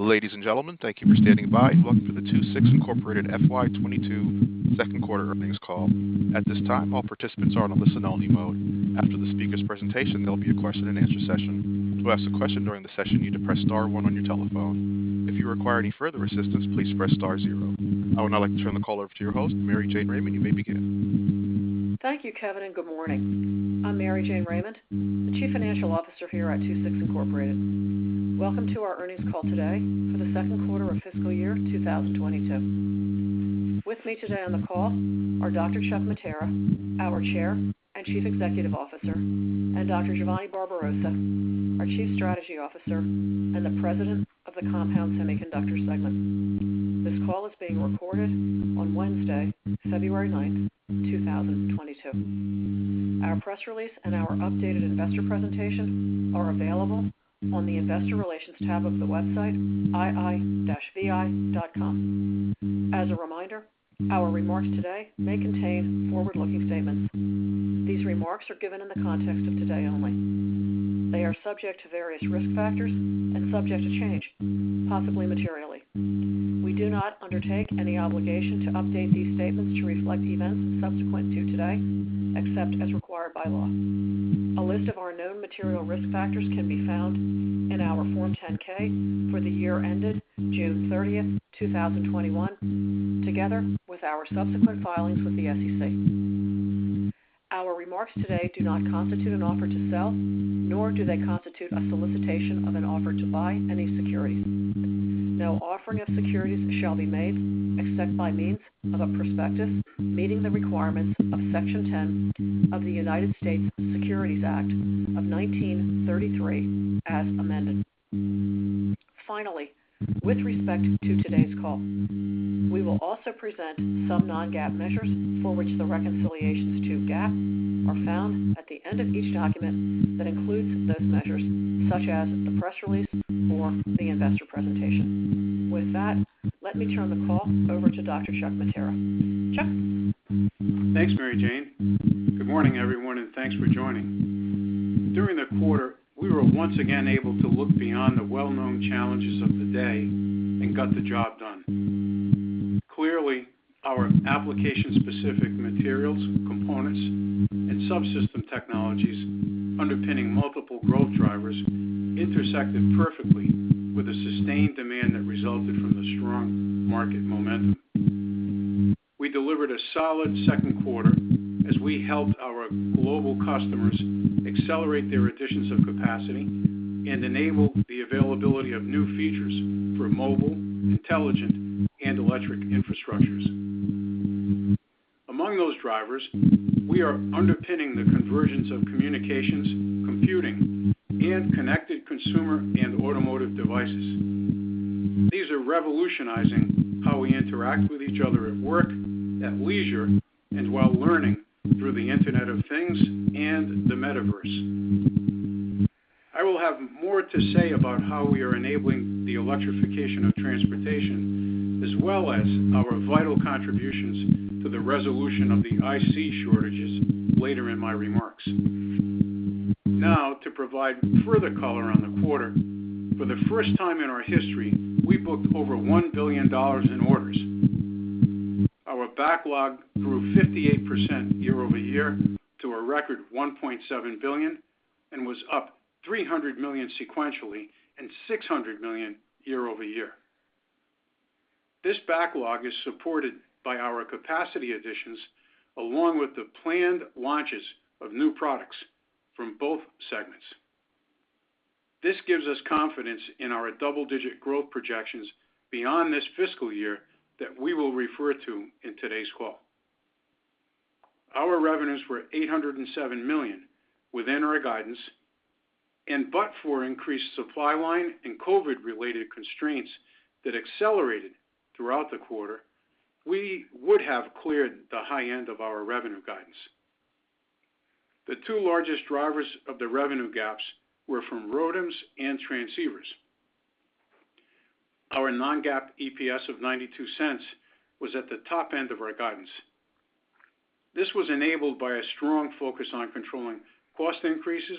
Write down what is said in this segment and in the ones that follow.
Ladies and gentlemen, thank you for standing by. Welcome to the II-VI Incorporated FY 2022 Q2 earnings call. At this time, all participants are in a listen only mode. After the speaker's presentation, there'll be a question and answer session. To ask a question during the session, you need to press star one on your telephone. If you require any further assistance, please press star zero. I would now like to turn the call over to your host, Mary Jane Raymond. You may begin. Thank you, Kevin, and good morning. I'm Mary Jane Raymond, the Chief Financial Officer here at II-VI Incorporated. Welcome to our earnings call today for the Q2 of fiscal year 2022. With me today on the call are Dr. Chuck Mattera, our Chair and Chief Executive Officer, and Dr. Giovanni Barbarossa, our Chief Strategy Officer and the President of the Compound Semiconductor Segment. This call is being recorded on Wednesday, February 9, 2022. Our press release and our updated investor presentation are available on the investor relations tab of the website ii-vi.com. As a reminder, our remarks today may contain forward-looking statements. These remarks are given in the context of today only. They are subject to various risk factors and subject to change, possibly materially. We do not undertake any obligation to update these statements to reflect events subsequent to today, except as required by law. A list of our known material risk factors can be found in our Form 10-K for the year ended June 30, 2021, together with our subsequent filings with the SEC. Our remarks today do not constitute an offer to sell, nor do they constitute a solicitation of an offer to buy any securities. No offering of securities shall be made except by means of a prospectus meeting the requirements of Section 10 of the United States Securities Act of 1933 as amended. Finally, with respect to today's call, we will also present some non-GAAP measures for which the reconciliations to GAAP are found at the end of each document that includes those measures, such as the press release or the investor presentation. With that, let me turn the call over to Dr. Chuck Mattera. Chuck. Thanks, Mary Jane. Good morning, everyone, and thanks for joining. During the quarter, we were once again able to look beyond the well-known challenges of the day and got the job done. Clearly, our application specific materials, components, and subsystem technologies underpinning multiple growth drivers intersected perfectly with a sustained demand that resulted from the strong market momentum. We delivered a solid Q2 as we helped our global customers accelerate their additions of capacity and enable the availability of new features for mobile, intelligent, and electric infrastructures. Among those drivers, we are underpinning the conversions of communications, computing, and connected consumer and automotive devices. These are revolutionizing how we interact with each other at work, at leisure, and while learning through the Internet of Things and the metaverse. I will have more to say about how we are enabling the electrification of transportation, as well as our vital contributions to the resolution of the IC shortages later in my remarks. Now to provide further color on the quarter. For the first time in our history, we booked over $1 billion in orders. Our backlog grew 58% year-over-year to a record $1.7 billion, and was up $300 million sequentially and $600 million year-over-year. This backlog is supported by our capacity additions, along with the planned launches of new products from both segments. This gives us confidence in our double-digit growth projections beyond this fiscal year that we will refer to in today's call. Our revenues were $807 million within our guidance. But for increased supply chain and COVID-related constraints that accelerated throughout the quarter, we would have cleared the high end of our revenue guidance. The two largest drivers of the revenue gaps were from ROADMs and transceivers. Our non-GAAP EPS of $0.92 was at the top end of our guidance. This was enabled by a strong focus on controlling cost increases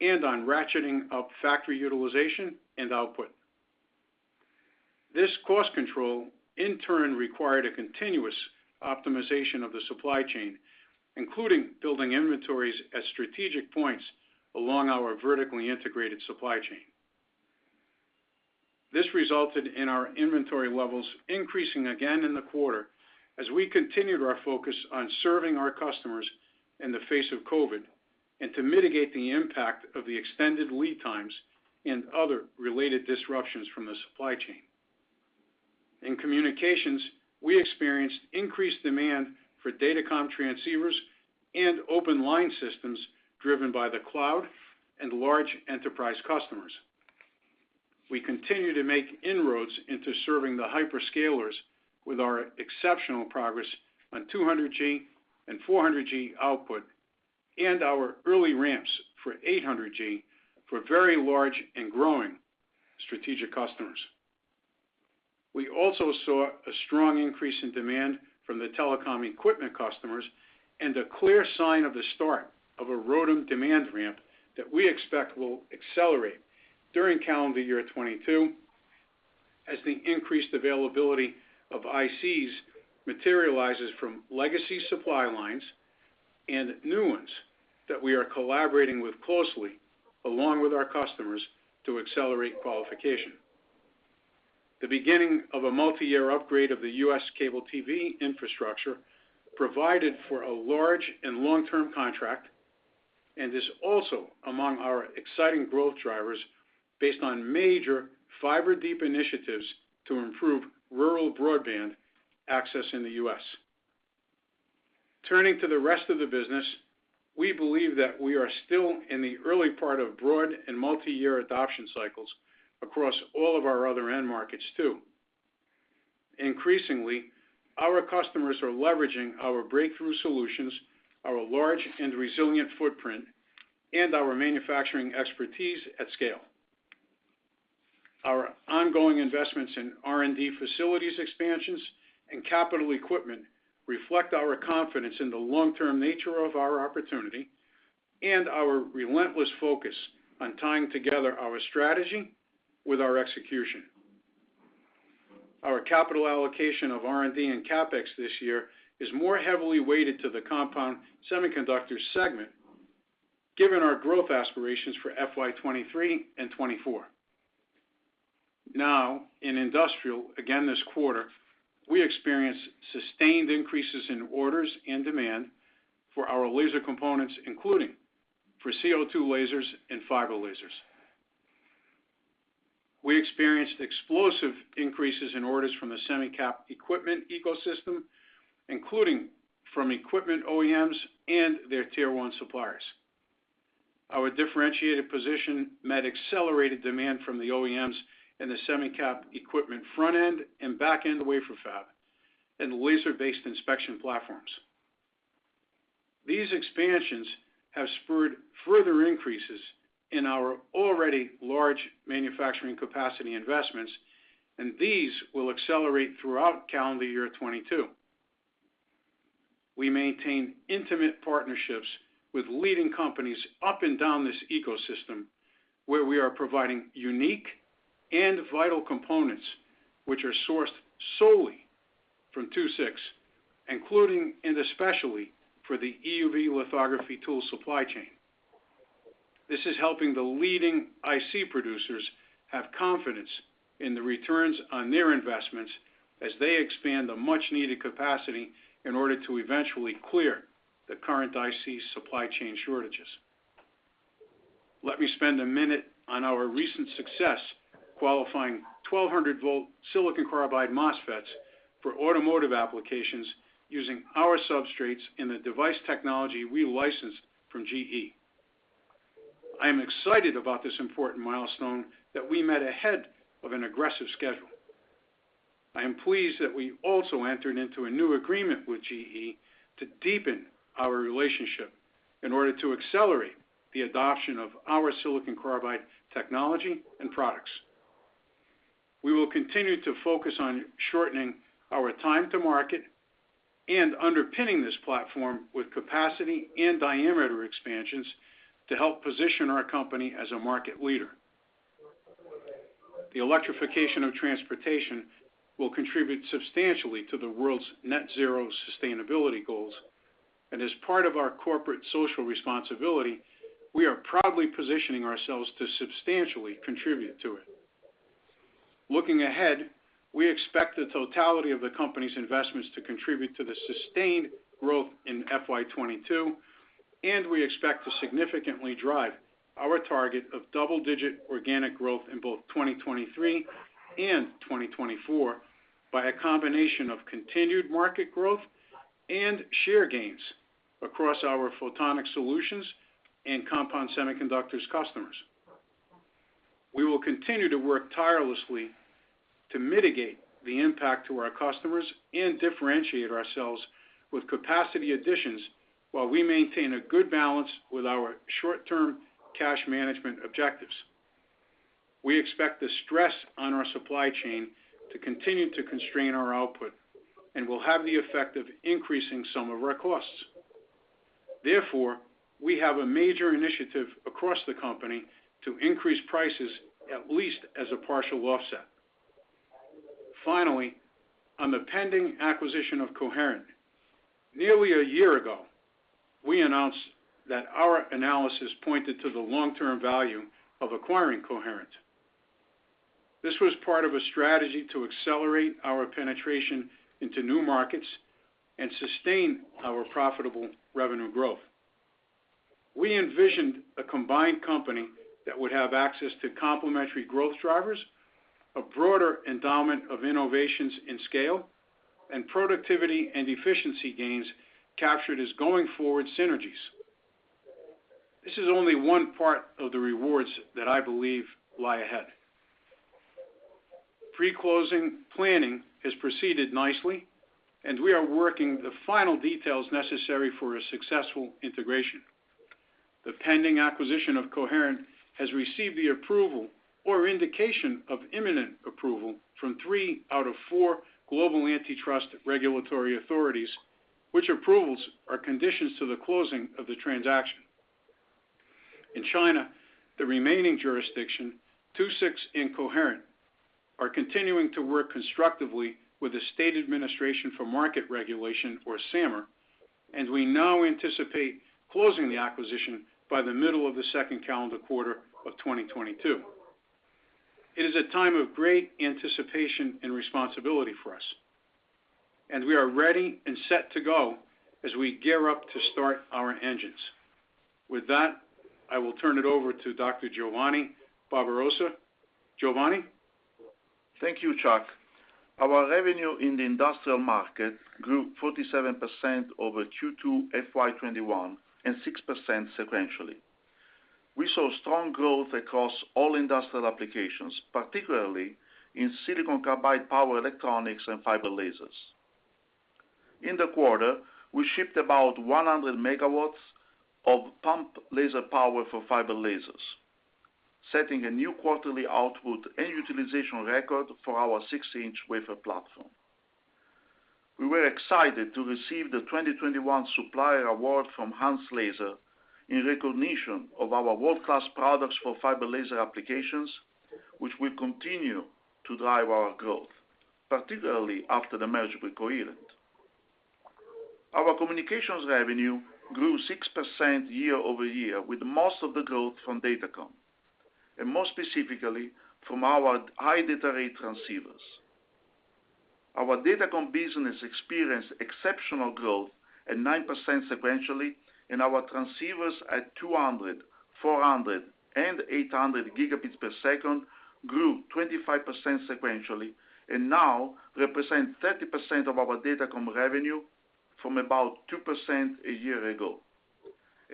and on ratcheting up factory utilization and output. This cost control in turn required a continuous optimization of the supply chain, including building inventories at strategic points along our vertically integrated supply chain. This resulted in our inventory levels increasing again in the quarter as we continued our focus on serving our customers in the face of COVID and to mitigate the impact of the extended lead times and other related disruptions from the supply chain. In communications, we experienced increased demand for datacom transceivers and open line systems driven by the cloud and large enterprise customers. We continue to make inroads into serving the hyperscalers with our exceptional progress on 200G and 400G output, and our early ramps for 800G for very large and growing strategic customers. We also saw a strong increase in demand from the telecom equipment customers and a clear sign of the start of a ROADM demand ramp that we expect will accelerate during calendar year 2022 as the increased availability of ICs materializes from legacy supply lines and new ones that we are collaborating with closely, along with our customers, to accelerate qualification. The beginning of a multi-year upgrade of the U.S. cable TV infrastructure provided for a large and long-term contract, and is also among our exciting growth drivers based on major fiber-deep initiatives to improve rural broadband access in the U.S. Turning to the rest of the business, we believe that we are still in the early part of broad and multi-year adoption cycles across all of our other end markets too. Increasingly, our customers are leveraging our breakthrough solutions, our large and resilient footprint, and our manufacturing expertise at scale. Our ongoing investments in R&D facilities expansions and capital equipment reflect our confidence in the long-term nature of our opportunity and our relentless focus on tying together our strategy with our execution. Our capital allocation of R&D and CapEx this year is more heavily weighted to the Compound Semiconductors segment, given our growth aspirations for FY 2023 and 2024. Now, in industrial, again this quarter, we experienced sustained increases in orders and demand for our laser components, including for CO2 lasers and fiber lasers. We experienced explosive increases in orders from the semi cap equipment ecosystem, including from equipment OEMs and their tier one suppliers. Our differentiated position met accelerated demand from the OEMs in the semi cap equipment front-end and back-end wafer fab and laser-based inspection platforms. These expansions have spurred further increases in our already large manufacturing capacity investments, and these will accelerate throughout calendar year 2022. We maintain intimate partnerships with leading companies up and down this ecosystem, where we are providing unique and vital components which are sourced solely from II-VI, including and especially for the EUV lithography tool supply chain. This is helping the leading IC producers have confidence in the returns on their investments as they expand the much needed capacity in order to eventually clear the current IC supply chain shortages. Let me spend a minute on our recent success qualifying 1200-volt silicon carbide MOSFETs for automotive applications using our substrates in the device technology we licensed from GE. I am excited about this important milestone that we met ahead of an aggressive schedule. I am pleased that we also entered into a new agreement with GE to deepen our relationship in order to accelerate the adoption of our silicon carbide technology and products. We will continue to focus on shortening our time to market and underpinning this platform with capacity and diameter expansions to help position our company as a market leader. The electrification of transportation will contribute substantially to the world's net zero sustainability goals. As part of our corporate social responsibility, we are proudly positioning ourselves to substantially contribute to it. Looking ahead, we expect the totality of the company's investments to contribute to the sustained growth in FY 2022, and we expect to significantly drive our target of double-digit organic growth in both 2023 and 2024 by a combination of continued market growth and share gains across our Photonic Solutions and Compound Semiconductors customers. We will continue to work tirelessly to mitigate the impact to our customers and differentiate ourselves with capacity additions while we maintain a good balance with our short-term cash management objectives. We expect the stress on our supply chain to continue to constrain our output, and will have the effect of increasing some of our costs. Therefore, we have a major initiative across the company to increase prices at least as a partial offset. Finally, on the pending acquisition of Coherent, nearly a year ago, we announced that our analysis pointed to the long-term value of acquiring Coherent. This was part of a strategy to accelerate our penetration into new markets and sustain our profitable revenue growth. We envisioned a combined company that would have access to complementary growth drivers, a broader endowment of innovations in scale, and productivity and efficiency gains captured as going forward synergies. This is only one part of the rewards that I believe lie ahead. Pre-closing planning has proceeded nicely, and we are working the final details necessary for a successful integration. The pending acquisition of Coherent has received the approval or indication of imminent approval from three out of four global antitrust regulatory authorities, which approvals are conditions to the closing of the transaction. In China, the remaining jurisdiction, II-VI and Coherent are continuing to work constructively with the State Administration for Market Regulation, or SAMR, and we now anticipate closing the acquisition by the middle of the second calendar quarter of 2022. It is a time of great anticipation and responsibility for us, and we are ready and set to go as we gear up to start our engines. With that, I will turn it over to Dr. Giovanni Barbarossa. Giovanni? Thank you, Chuck. Our revenue in the industrial market grew 47% over Q2 FY 2021 and 6% sequentially. We saw strong growth across all industrial applications, particularly in silicon carbide power electronics and fiber lasers. In the quarter, we shipped about 100 MW of pump laser power for fiber lasers, setting a new quarterly output and utilization record for our six-inch wafer platform. We were excited to receive the 2021 Supplier Award from Han's Laser in recognition of our world-class products for fiber laser applications, which will continue to drive our growth, particularly after the merger with Coherent. Our communications revenue grew 6% year-over-year, with most of the growth from datacom, and more specifically from our high data rate transceivers. Our datacom business experienced exceptional growth at 9% sequentially, and our transceivers at 200, 400, and 800 gigabits per second grew 25% sequentially and now represent 30% of our datacom revenue from about 2% a year ago.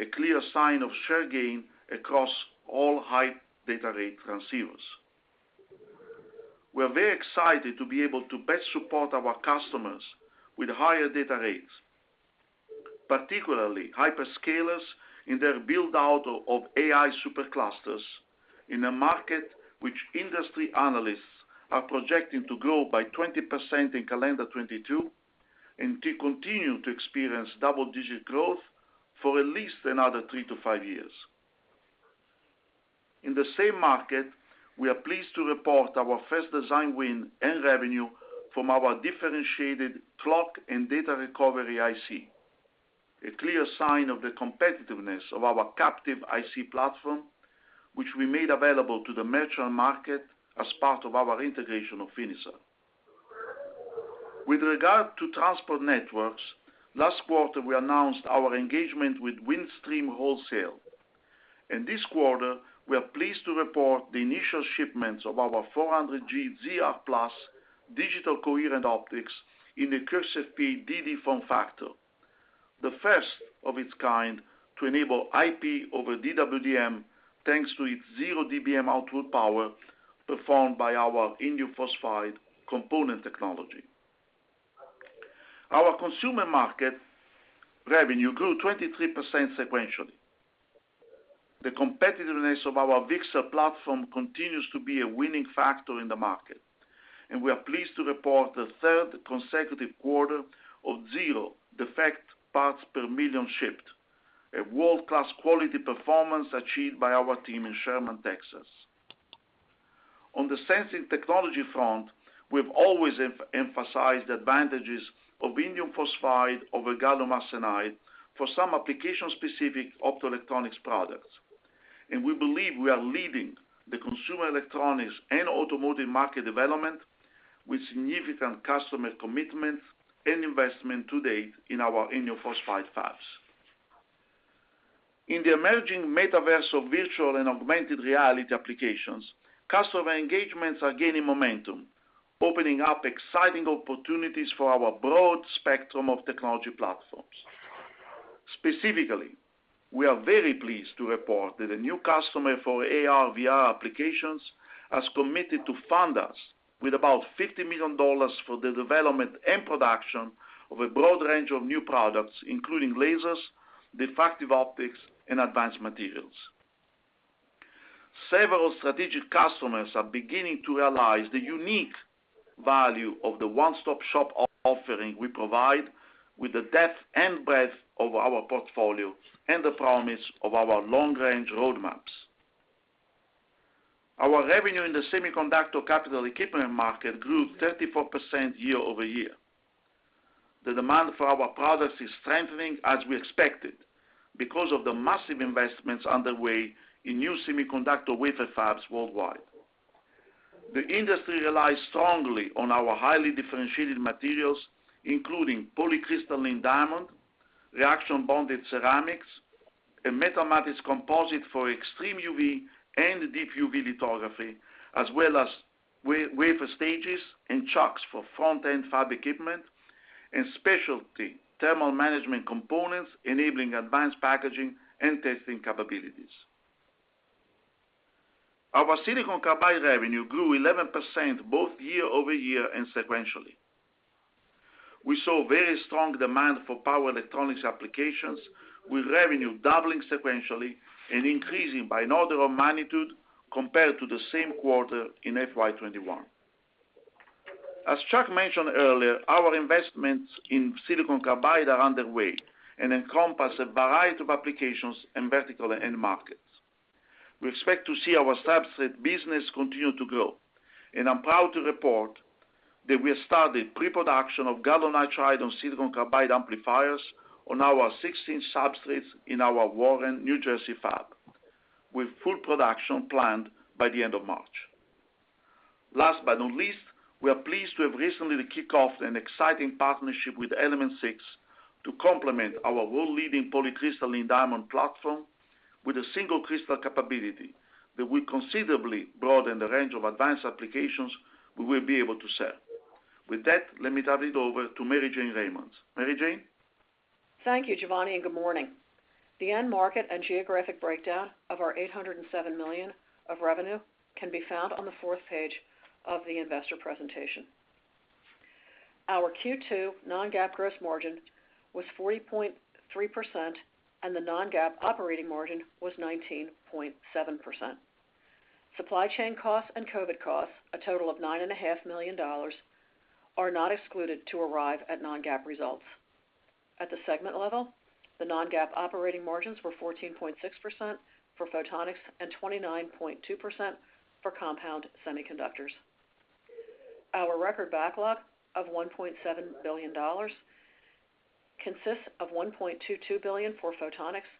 A clear sign of share gain across all high data rate transceivers. We're very excited to be able to best support our customers with higher data rates, particularly hyperscalers in their build-out of AI superclusters in a market which industry analysts are projecting to grow by 20% in calendar 2022 and to continue to experience double-digit growth for at least another 3-5 years. In the same market, we are pleased to report our first design win and revenue from our differentiated clock and data recovery IC. A clear sign of the competitiveness of our captive IC platform, which we made available to the merchant market as part of our integration of Finisar. With regard to transport networks, last quarter we announced our engagement with Windstream Wholesale. This quarter, we are pleased to report the initial shipments of our 400G ZR+ digital coherent optics in the QSFP-DD form factor, the first of its kind to enable IP over DWDM, thanks to its 0 dBm output power performed by our indium phosphide component technology. Our consumer market revenue grew 23% sequentially. The competitiveness of our VCSEL platform continues to be a winning factor in the market, and we are pleased to report the third consecutive quarter of zero defect parts per million shipped, a world-class quality performance achieved by our team in Sherman, Texas. On the sensing technology front, we've always emphasized the advantages of indium phosphide over gallium arsenide for some application-specific optoelectronics products. We believe we are leading the consumer electronics and automotive market development with significant customer commitments and investment to date in our indium phosphide fabs. In the emerging metaverse of virtual and augmented reality applications, customer engagements are gaining momentum, opening up exciting opportunities for our broad spectrum of technology platforms. Specifically, we are very pleased to report that a new customer for AR/VR applications has committed to fund us with about $50 million for the development and production of a broad range of new products, including lasers, diffractive optics, and advanced materials. Several strategic customers are beginning to realize the unique value of the one-stop shop offering we provide with the depth and breadth of our portfolio and the promise of our long-range roadmaps. Our revenue in the semiconductor capital equipment market grew 34% year over year. The demand for our products is strengthening as we expected because of the massive investments underway in new semiconductor wafer fabs worldwide. The industry relies strongly on our highly differentiated materials, including polycrystalline diamond, reaction-bonded ceramics, and metal matrix composite for extreme UV and deep UV lithography, as well as wafer stages and chucks for front-end fab equipment and specialty thermal management components enabling advanced packaging and testing capabilities. Our silicon carbide revenue grew 11% both year over year and sequentially. We saw very strong demand for power electronics applications, with revenue doubling sequentially and increasing by an order of magnitude compared to the same quarter in FY 2021. As Chuck mentioned earlier, our investments in silicon carbide are underway and encompass a variety of applications and vertical end markets. We expect to see our substrate business continue to grow, and I'm proud to report that we have started pre-production of gallium nitride on silicon carbide amplifiers on our 16-inch substrates in our Warren, New Jersey fab, with full production planned by the end of March. Last but not least, we are pleased to have recently kicked off an exciting partnership with Element Six to complement our world-leading polycrystalline diamond platform with a single crystal capability that will considerably broaden the range of advanced applications we will be able to sell. With that, let me turn it over to Mary Jane Raymond. Mary Jane? Thank you, Giovanni, and good morning. The end market and geographic breakdown of our $807 million of revenue can be found on the fourth page of the investor presentation. Our Q2 non-GAAP gross margin was 40.3%, and the non-GAAP operating margin was 19.7%. Supply chain costs and COVID costs, a total of $9.5 million, are not excluded to arrive at non-GAAP results. At the segment level, the non-GAAP operating margins were 14.6% for Photonics and 29.2% for Compound Semiconductors. Our record backlog of $1.7 billion consists of $1.22 billion for Photonics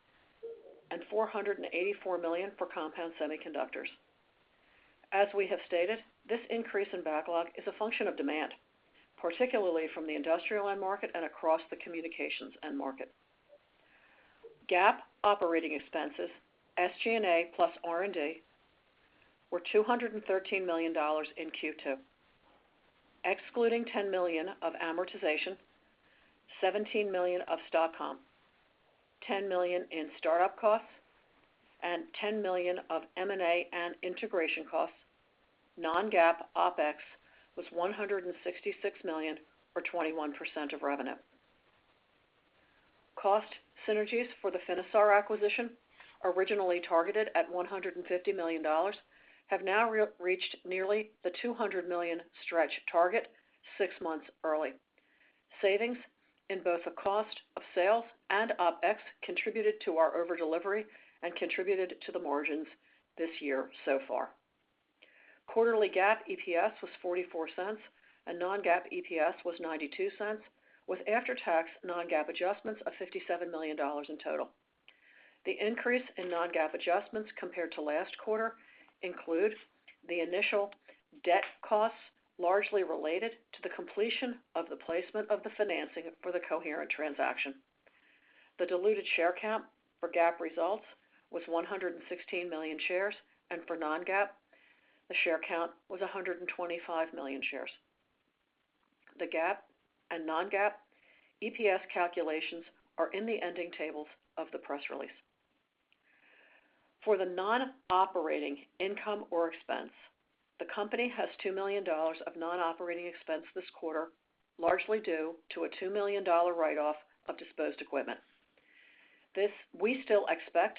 and $484 million for Compound Semiconductors. This increase in backlog is a function of demand, particularly from the industrial end market and across the communications end market. GAAP operating expenses, SG&A plus R&D, were $213 million in Q2. Excluding $10 million of amortization, $17 million of stock comp, $10 million in startup costs, and $10 million of M&A and integration costs, non-GAAP OpEx was $166 million or 21% of revenue. Cost synergies for the Finisar acquisition, originally targeted at $150 million, have now reached nearly the $200 million stretch target six months early. Savings in both the cost of sales and OpEx contributed to our over-delivery and contributed to the margins this year so far. Quarterly GAAP EPS was $0.44, and non-GAAP EPS was $0.92, with after-tax non-GAAP adjustments of $57 million in total. The increase in non-GAAP adjustments compared to last quarter include the initial debt costs, largely related to the completion of the placement of the financing for the Coherent transaction. The diluted share count for GAAP results was 116 million shares, and for non-GAAP, the share count was 125 million shares. The GAAP and non-GAAP EPS calculations are in the ending tables of the press release. For the non-operating income or expense, the company has $2 million of non-operating expense this quarter, largely due to a $2 million write-off of disposed equipment. This, we still expect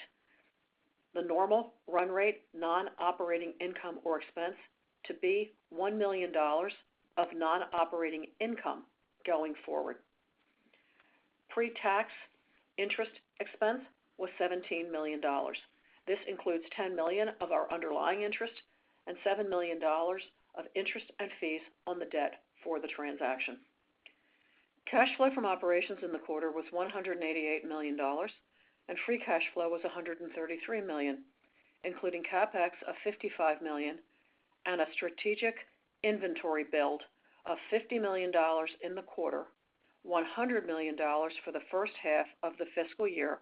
the normal run rate non-operating income or expense to be $1 million of non-operating income going forward. Pre-tax interest expense was $17 million. This includes $10 million of our underlying interest and $7 million of interest and fees on the debt for the transaction. Cash flow from operations in the quarter was $188 million, and free cash flow was $133 million, including CapEx of $55 million and a strategic inventory build of $50 million in the quarter, $100 million for the H1 of the fiscal year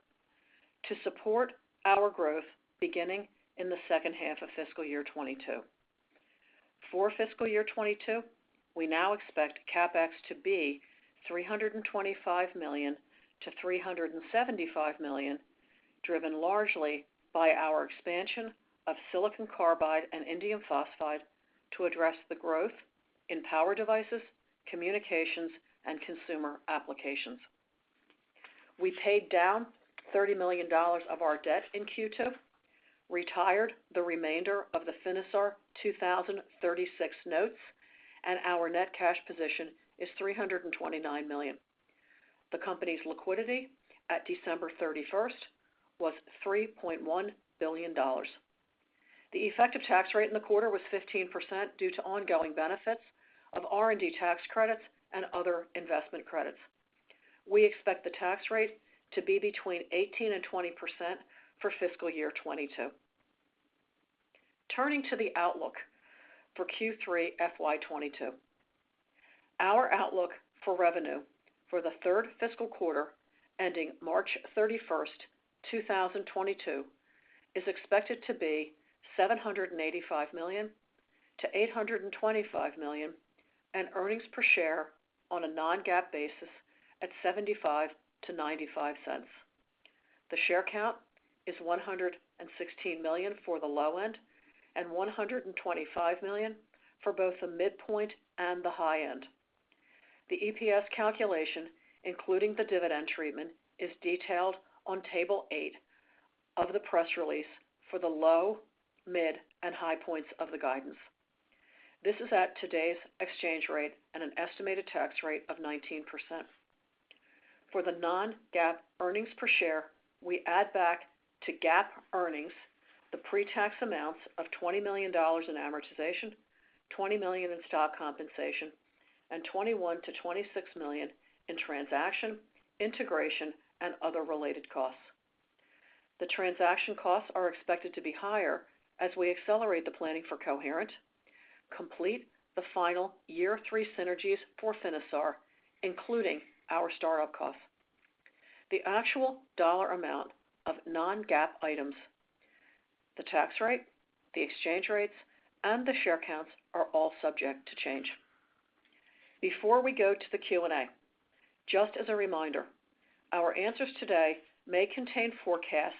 to support our growth beginning in the H2 of fiscal year 2022. For fiscal year 2022, we now expect CapEx to be $325 million-$375 million, driven largely by our expansion of silicon carbide and indium phosphide to address the growth in power devices, communications, and consumer applications. We paid down $30 million of our debt in Q2, retired the remainder of the Finisar 2036 notes, and our net cash position is $329 million. The company's liquidity at December 31 was $3.1 billion. The effective tax rate in the quarter was 15% due to ongoing benefits of R&D tax credits and other investment credits. We expect the tax rate to be between 18% and 20% for fiscal year 2022. Turning to the outlook for Q3 FY 2022. Our outlook for revenue for the third fiscal quarter ending March 31, 2022, is expected to be $785 million-$825 million, and earnings per share on a non-GAAP basis at $0.75-$0.95. The share count is 116 million for the low end and 125 million for both the midpoint and the high end. The EPS calculation, including the dividend treatment, is detailed on Table 8 of the press release for the low, mid, and high points of the guidance. This is at today's exchange rate and an estimated tax rate of 19%. For the non-GAAP earnings per share, we add back to GAAP earnings the pre-tax amounts of $20 million in amortization, $20 million in stock compensation, and $21 million-$26 million in transaction, integration, and other related costs. The transaction costs are expected to be higher as we accelerate the planning for Coherent, complete the final year 3 synergies for Finisar, including our start-up costs. The actual dollar amount of non-GAAP items, the tax rate, the exchange rates, and the share counts are all subject to change. Before we go to the Q&A, just as a reminder, our answers today may contain forecasts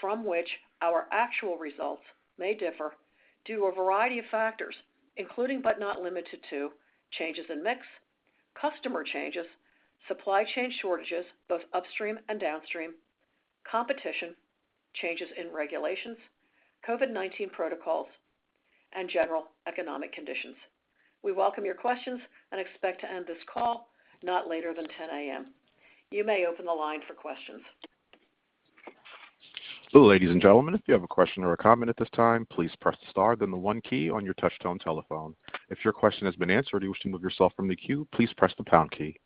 from which our actual results may differ due to a variety of factors, including but not limited to changes in mix, customer changes, supply chain shortages, both upstream and downstream, competition, changes in regulations, COVID-19 protocols, and general economic conditions. We welcome your questions and expect to end this call not later than 10 A.M. You may open the line for questions. Ladies and gentlemen, if you have a question or a comment at this time, please press star, then the 1 key on your touch-tone telephone. If your question has been answered or you wish to remove yourself from the queue, please press the pound key.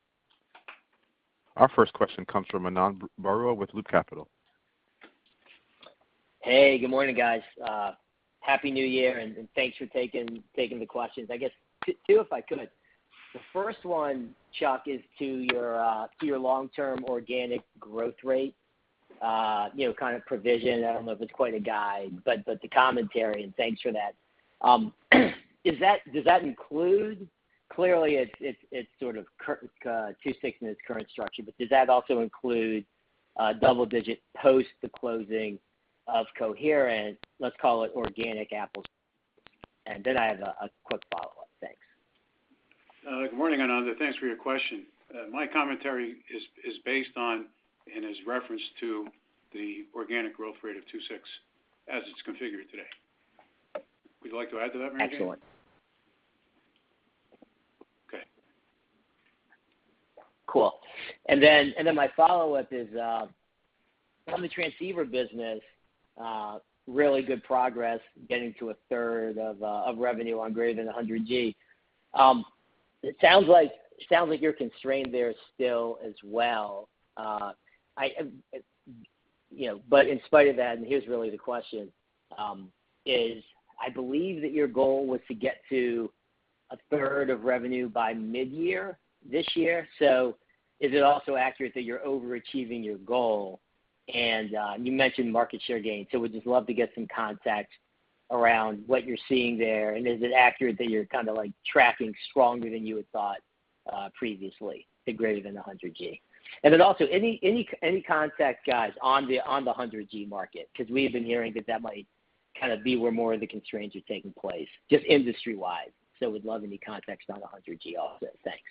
Our first question comes from Ananda Baruah with Loop Capital. Good morning, guys. Happy New Year, and thanks for taking the questions. I guess 2 if I could. The first one, Chuck, is to your long-term organic growth rate, you know, kind of provision. I don't know if it's quite a guide, but the commentary, and thanks for that. Does that include? Clearly it's sort of current II-VI in its current structure, but does that also include double-digit post the closing of Coherent, let's call it organic apples-to-apples? And then I have a quick follow-up. Thanks. Good morning, Ananda. Thanks for your question. My commentary is based on and is referenced to the organic growth rate of II-VI as it's configured today. Would you like to add to that, Ananda? Excellent. Okay. Cool. Then my follow-up is on the transceiver business, really good progress getting to 1/3 of revenue on greater than 100G. It sounds like you're constrained there still as well. You know, but in spite of that, here's really the question, is I believe that your goal was to get to 1/3 of revenue by mid-year this year. So is it also accurate that you're overachieving your goal? You mentioned market share gains, so would just love to get some context around what you're seeing there. Is it accurate that you're kind of like tracking stronger than you had thought previously to greater than 100G? Then also any context, guys, on the 100G market? Because we have been hearing that that might kind of be where more of the constraints are taking place, just industry-wide. Would love any context on the 100G also? Thanks.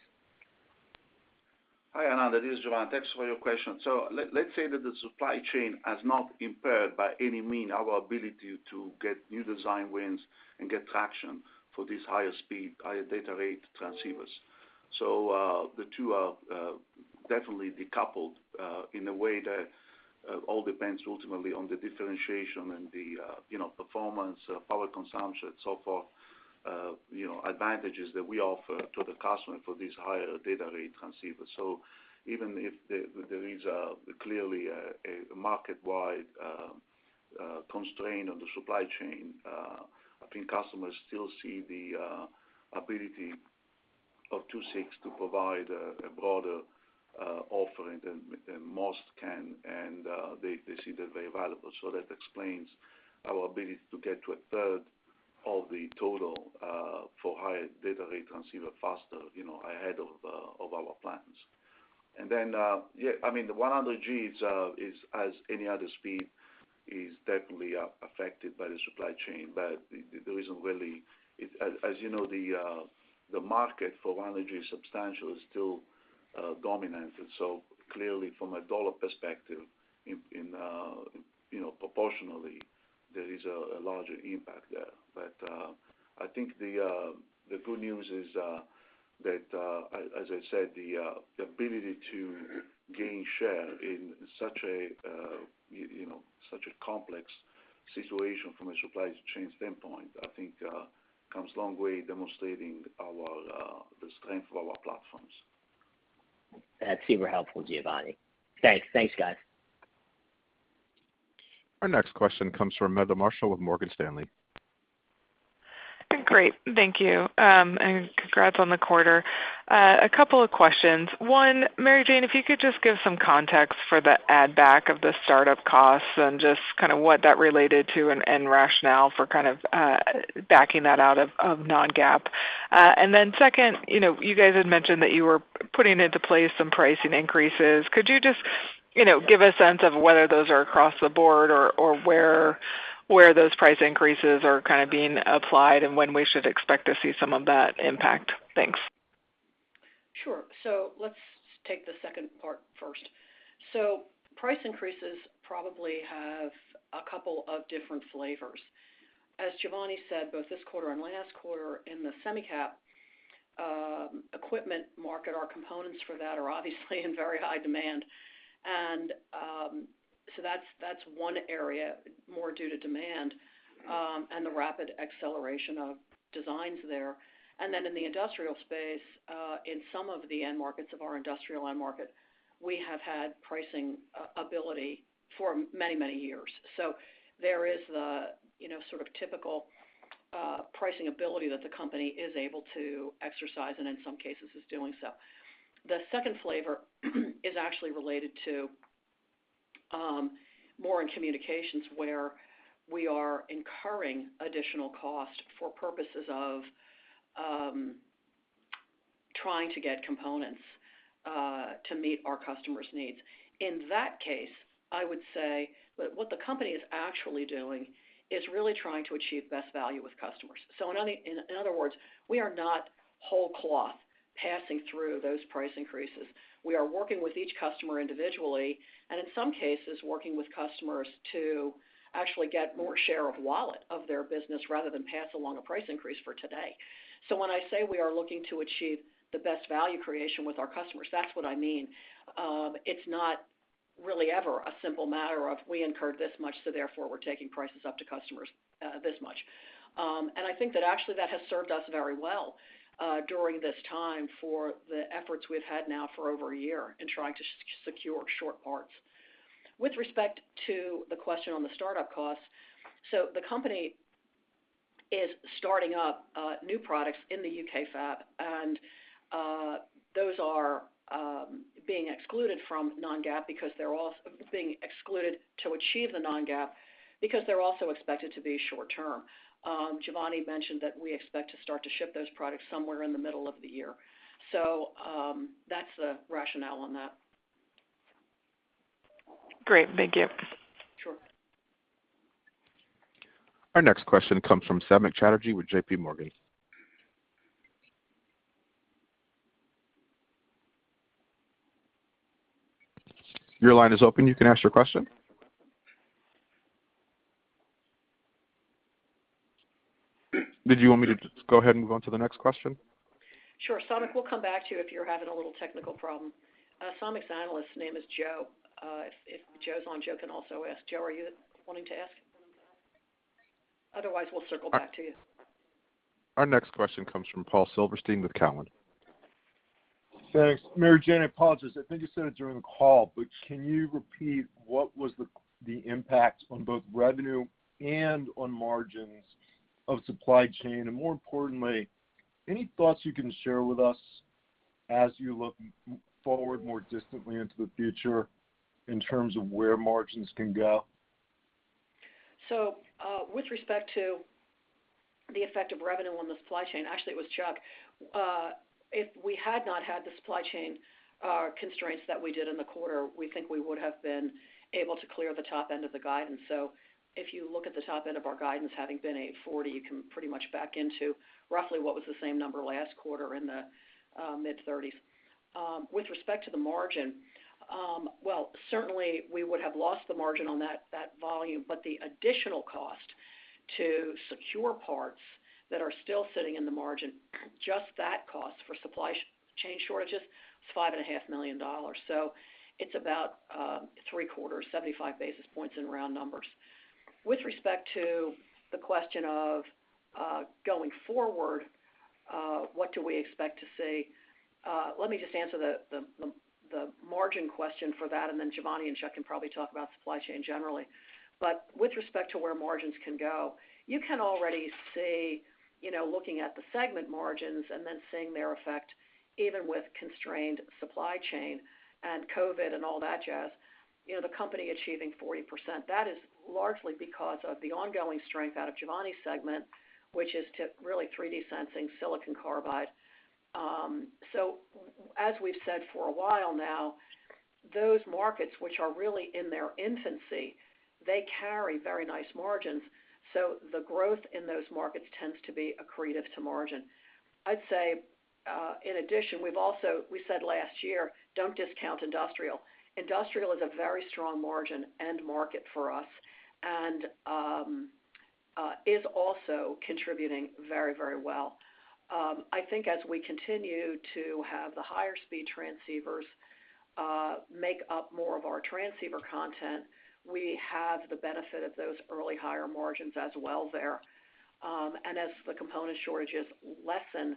Hi, Ananda. This is Giovanni. Thanks for your question. Let's say that the supply chain has not impaired by any means our ability to get new design wins and get traction for these higher speed, higher data rate transceivers. The two are definitely decoupled in a way that all depends ultimately on the differentiation and the you know performance, power consumption, so forth you know advantages that we offer to the customer for these higher data rate transceivers. Even if there is clearly a market-wide constraint on the supply chain, I think customers still see the ability of II-VI to provide a broader offering than most can, and they see that very valuable. That explains our ability to get to 1/3 of the total for higher data rate transceiver faster, you know, ahead of our plans. Yeah, I mean, the 100G is as any other speed is definitely affected by the supply chain. There isn't really. As you know, the market for 100G is substantial. It's still dominant. Clearly from a dollar perspective, in you know, proportionally there is a larger impact there. I think the good news is that as I said, the ability to gain share in such a you know such a complex situation from a supply chain standpoint, I think comes a long way demonstrating our the strength of our platforms. That's super helpful, Giovanni. Thanks. Thanks, guys. Our next question comes from Meta Marshall with Morgan Stanley. Great. Thank you. Congrats on the quarter. A couple of questions. One, Mary Jane, if you could just give some context for the add-back of the start-up costs and just kind of what that related to and rationale for kind of backing that out of non-GAAP. Second, you know, you guys had mentioned that you were putting into place some pricing increases. Could you just You know, give a sense of whether those are across the board or where those price increases are kind of being applied and when we should expect to see some of that impact? Thanks. Sure. Let's take the second part first. Price increases probably have a couple of different flavors. As Giovanni said, both this quarter and last quarter in the semi cap equipment market, our components for that are obviously in very high demand. That's one area more due to demand and the rapid acceleration of designs there. In the industrial space, in some of the end markets of our industrial end market, we have had pricing ability for many, many years. There is the, you know, sort of typical pricing ability that the company is able to exercise and in some cases is doing so. The second flavor is actually related to more in communications where we are incurring additional cost for purposes of trying to get components to meet our customers' needs. In that case, I would say what the company is actually doing is really trying to achieve best value with customers. In other words, we are not whole cloth passing through those price increases. We are working with each customer individually, and in some cases working with customers to actually get more share of wallet of their business rather than pass along a price increase for today. When I say we are looking to achieve the best value creation with our customers, that's what I mean. It's not really ever a simple matter of we incurred this much, so therefore we're taking prices up to customers, this much. I think that actually has served us very well, during this time for the efforts we've had now for over a year in trying to secure short parts. With respect to the question on the startup costs, the company is starting up new products in the U.K. fab, and those are being excluded from non-GAAP because they're also expected to be short term. Giovanni mentioned that we expect to start to ship those products somewhere in the middle of the year. That's the rationale on that. Great. Thank you. Sure. Our next question comes from Samik Chatterjee with J.P. Morgan. Your line is open. You can ask your question. Did you want me to go ahead and move on to the next question? Sure. Samik, we'll come back to you if you're having a little technical problem. Samik's analyst name is Joe. If Joe's on, Joe can also ask. Joe, are you wanting to ask? Otherwise, we'll circle back to you. Our next question comes from Paul Silverstein with Cowen. Thanks. Mary Jane, I apologize. I think you said it during the call, but can you repeat what was the impact on both revenue and on margins of supply chain? More importantly, any thoughts you can share with us as you look forward more distantly into the future in terms of where margins can go? With respect to the effect of revenue on the supply chain, actually it was Chuck. If we had not had the supply chain constraints that we did in the quarter, we think we would have been able to clear the top end of the guidance. If you look at the top end of our guidance having been $840 million, you can pretty much back into roughly what was the same number last quarter in the mid-30s. With respect to the margin, well, certainly we would have lost the margin on that volume, but the additional cost to secure parts that are still sitting in the margin, just that cost for supply chain shortages is $5.5 million. It's about three quarters, 75 basis points in round numbers. With respect to the question of going forward, what do we expect to see? Let me just answer the margin question for that, and then Giovanni and Chuck can probably talk about supply chain generally. With respect to where margins can go, you can already see, you know, looking at the segment margins and then seeing their effect, even with constrained supply chain and COVID and all that jazz, you know, the company achieving 40%. That is largely because of the ongoing strength out of Giovanni's segment, which is truly 3D sensing, silicon carbide. As we've said for a while now, those markets which are really in their infancy, they carry very nice margins. The growth in those markets tends to be accretive to margin. I'd say, in addition, we said last year, don't discount industrial. Industrial is a very strong margin end market for us, and is also contributing very well. I think as we continue to have the higher speed transceivers make up more of our transceiver content, we have the benefit of those early higher margins as well there. As the component shortages lessen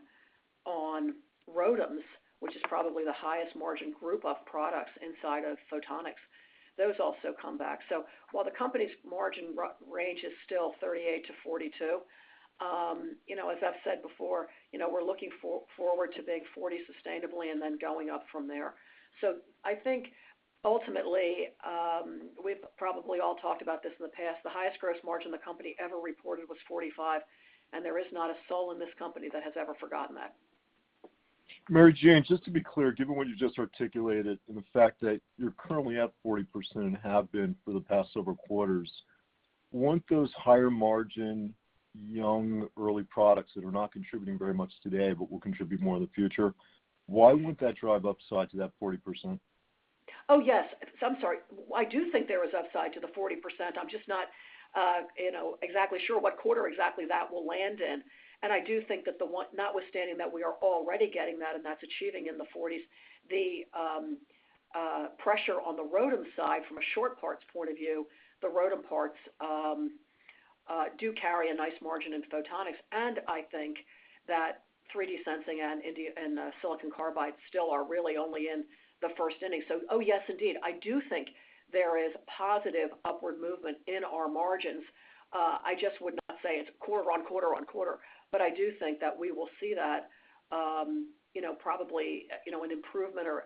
on ROADMs, which is probably the highest margin group of products inside of Photonics, those also come back. While the company's margin range is still 38%-42%, you know, as I've said before, you know, we're looking forward to being 40% sustainably and then going up from there. I think ultimately, we've probably all talked about this in the past. The highest gross margin the company ever reported was 45%, and there is not a soul in this company that has ever forgotten that. Mary Jane, just to be clear, given what you just articulated and the fact that you're currently at 40% and have been for the past several quarters, won't those higher margin, young, early products that are not contributing very much today but will contribute more in the future, why wouldn't that drive upside to that 40%? Oh, yes. I'm sorry. I do think there is upside to the 40%. I'm just not, you know, exactly sure what quarter exactly that will land in. I do think that notwithstanding that we are already getting that and that's achieving in the 40s, the pressure on the ROADM side from a shortage point of view, the ROADM parts do carry a nice margin in Photonics. I think that 3D sensing and silicon carbide still are really only in the first inning. Oh, yes, indeed. I do think there is positive upward movement in our margins. I just would not say it's quarter on quarter on quarter. I do think that we will see that, you know, probably, you know, an improvement or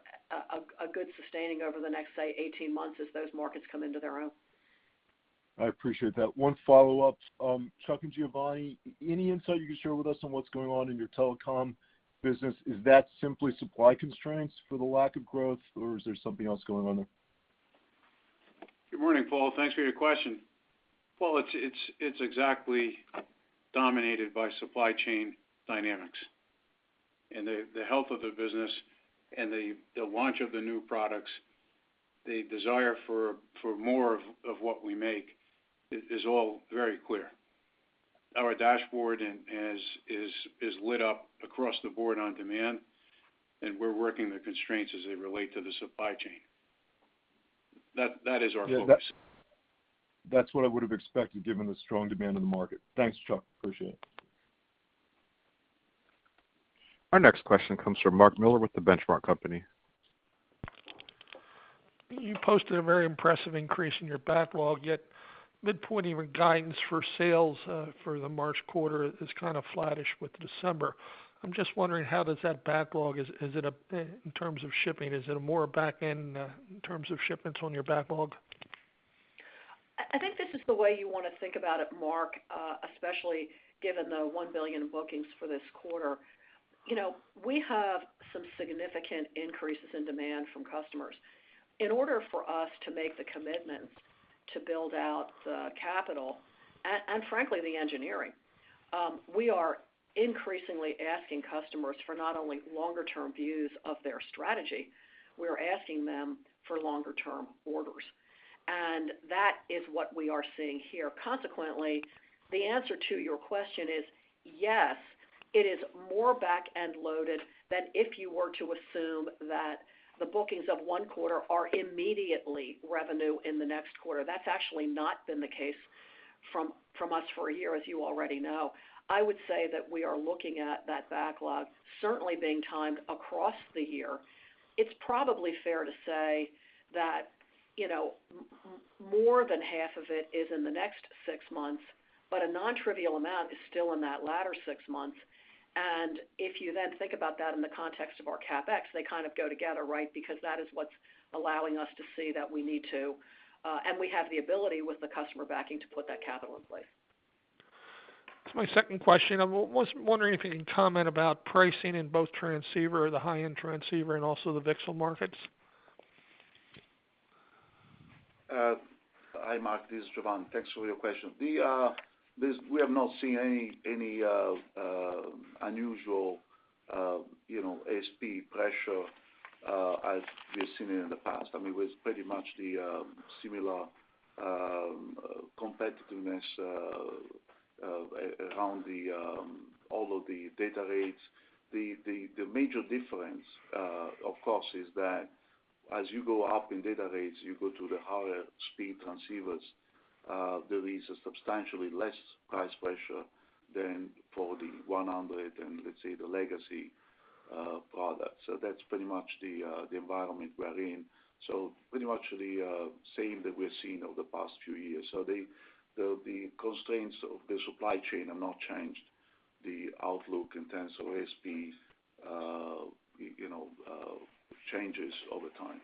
a good sustaining over the next, say, 18 months as those markets come into their own. I appreciate that. One follow-up. Chuck and Giovanni, any insight you can share with us on what's going on in your telecom business? Is that simply supply constraints for the lack of growth, or is there something else going on there? Good morning, Paul. Thanks for your question. Paul, it's exactly dominated by supply chain dynamics. The health of the business and the launch of the new products, the desire for more of what we make is all very clear. Our dashboard is lit up across the board on demand, and we're working the constraints as they relate to the supply chain. That is our focus. Yeah, that's what I would have expected given the strong demand in the market. Thanks, Chuck. Appreciate it. Our next question comes from Mark Miller with The Benchmark Company. You posted a very impressive increase in your backlog, yet midpoint even guidance for sales, for the March quarter is kind of flattish with December. I'm just wondering how does that backlog is it, in terms of shipping, is it more back end, in terms of shipments on your backlog? I think this is the way you wanna think about it, Mark, especially given the $1 billion bookings for this quarter. You know, we have some significant increases in demand from customers. In order for us to make the commitments to build out the capital and frankly the engineering, we are increasingly asking customers for not only longer term views of their strategy, we're asking them for longer term orders. That is what we are seeing here. Consequently, the answer to your question is yes, it is more back-end loaded than if you were to assume that the bookings of one quarter are immediately revenue in the next quarter. That's actually not been the case from us for a year, as you already know. I would say that we are looking at that backlog certainly being timed across the year. It's probably fair to say that, you know, more than half of it is in the next six months, but a non-trivial amount is still in that latter six months. If you then think about that in the context of our CapEx, they kind of go together, right? Because that is what's allowing us to see that we need to, and we have the ability with the customer backing to put that capital in place. To my second question, I was wondering if you can comment about pricing in both transceiver, the high-end transceiver and also the VCSEL markets. Hi Mark, this is Giovanni. Thanks for your question. We have not seen any unusual, you know, ASP pressure as we've seen it in the past. I mean, it was pretty much the similar competitiveness around all of the data rates. The major difference, of course, is that as you go up in data rates, you go to the higher speed transceivers, there is a substantially less price pressure than for the 100 and let's say, the legacy products. That's pretty much the environment we're in. Pretty much the same that we're seeing over the past few years. The constraints of the supply chain have not changed the outlook in terms of ASPs, you know, changes over time.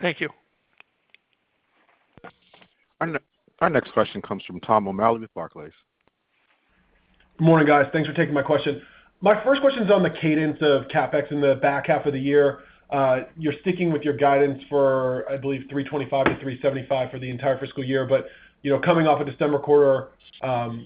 Thank you. Our next question comes from Tom O'Malley with Barclays. Good morning, guys. Thanks for taking my question. My first question is on the cadence of CapEx in the back half of the year. You're sticking with your guidance for, I believe, $325 million-$375 million for the entire fiscal year. You know, coming off a December quarter,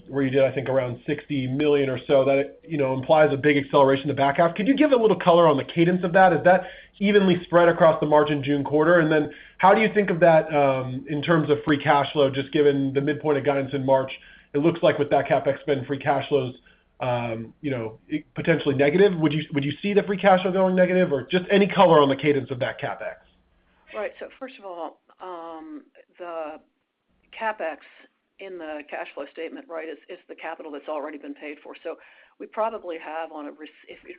where you did, I think, around $60 million or so, that, you know, implies a big acceleration to back half. Could you give a little color on the cadence of that? Is that evenly spread across the March and June quarter? And then how do you think of that, in terms of free cash flow, just given the midpoint of guidance in March? It looks like with that CapEx spend, free cash flow's, you know, potentially negative. Would you see the free cash flow going negative, or just any color on the cadence of that CapEx? Right. First of all, the CapEx in the cash flow statement, right, is the capital that's already been paid for. We probably have,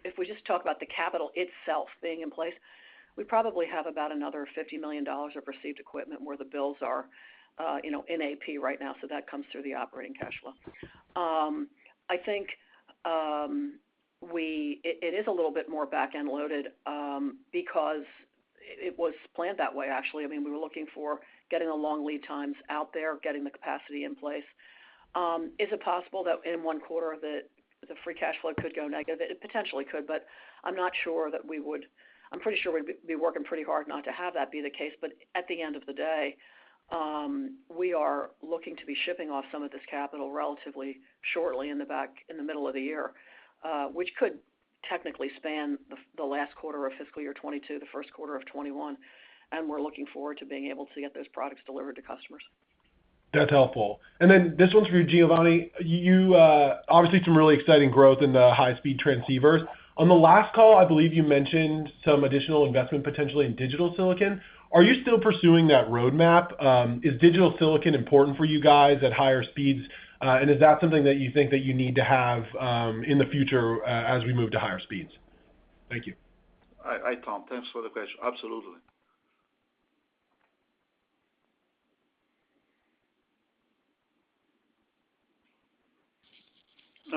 if we just talk about the capital itself being in place, we probably have about another $50 million of received equipment where the bills are, you know, in AP right now, so that comes through the operating cash flow. I think it is a little bit more back-end loaded because it was planned that way, actually. I mean, we were looking for getting the long lead times out there, getting the capacity in place. Is it possible that in one quarter that the free cash flow could go negative? It potentially could, but I'm not sure that we would. I'm pretty sure we'd be working pretty hard not to have that be the case. At the end of the day, we are looking to be shipping off some of this capital relatively shortly in the middle of the year, which could technically span the last quarter of fiscal year 2022, the Q1 of 2021, and we're looking forward to being able to get those products delivered to customers. That's helpful. This one's for Giovanni. You obviously some really exciting growth in the high-speed transceivers. On the last call, I believe you mentioned some additional investment potentially in digital silicon. Are you still pursuing that roadmap? Is digital silicon important for you guys at higher speeds, and is that something that you think that you need to have, in the future, as we move to higher speeds? Thank you. Hi. Hi, Tom. Thanks for the question. Absolutely.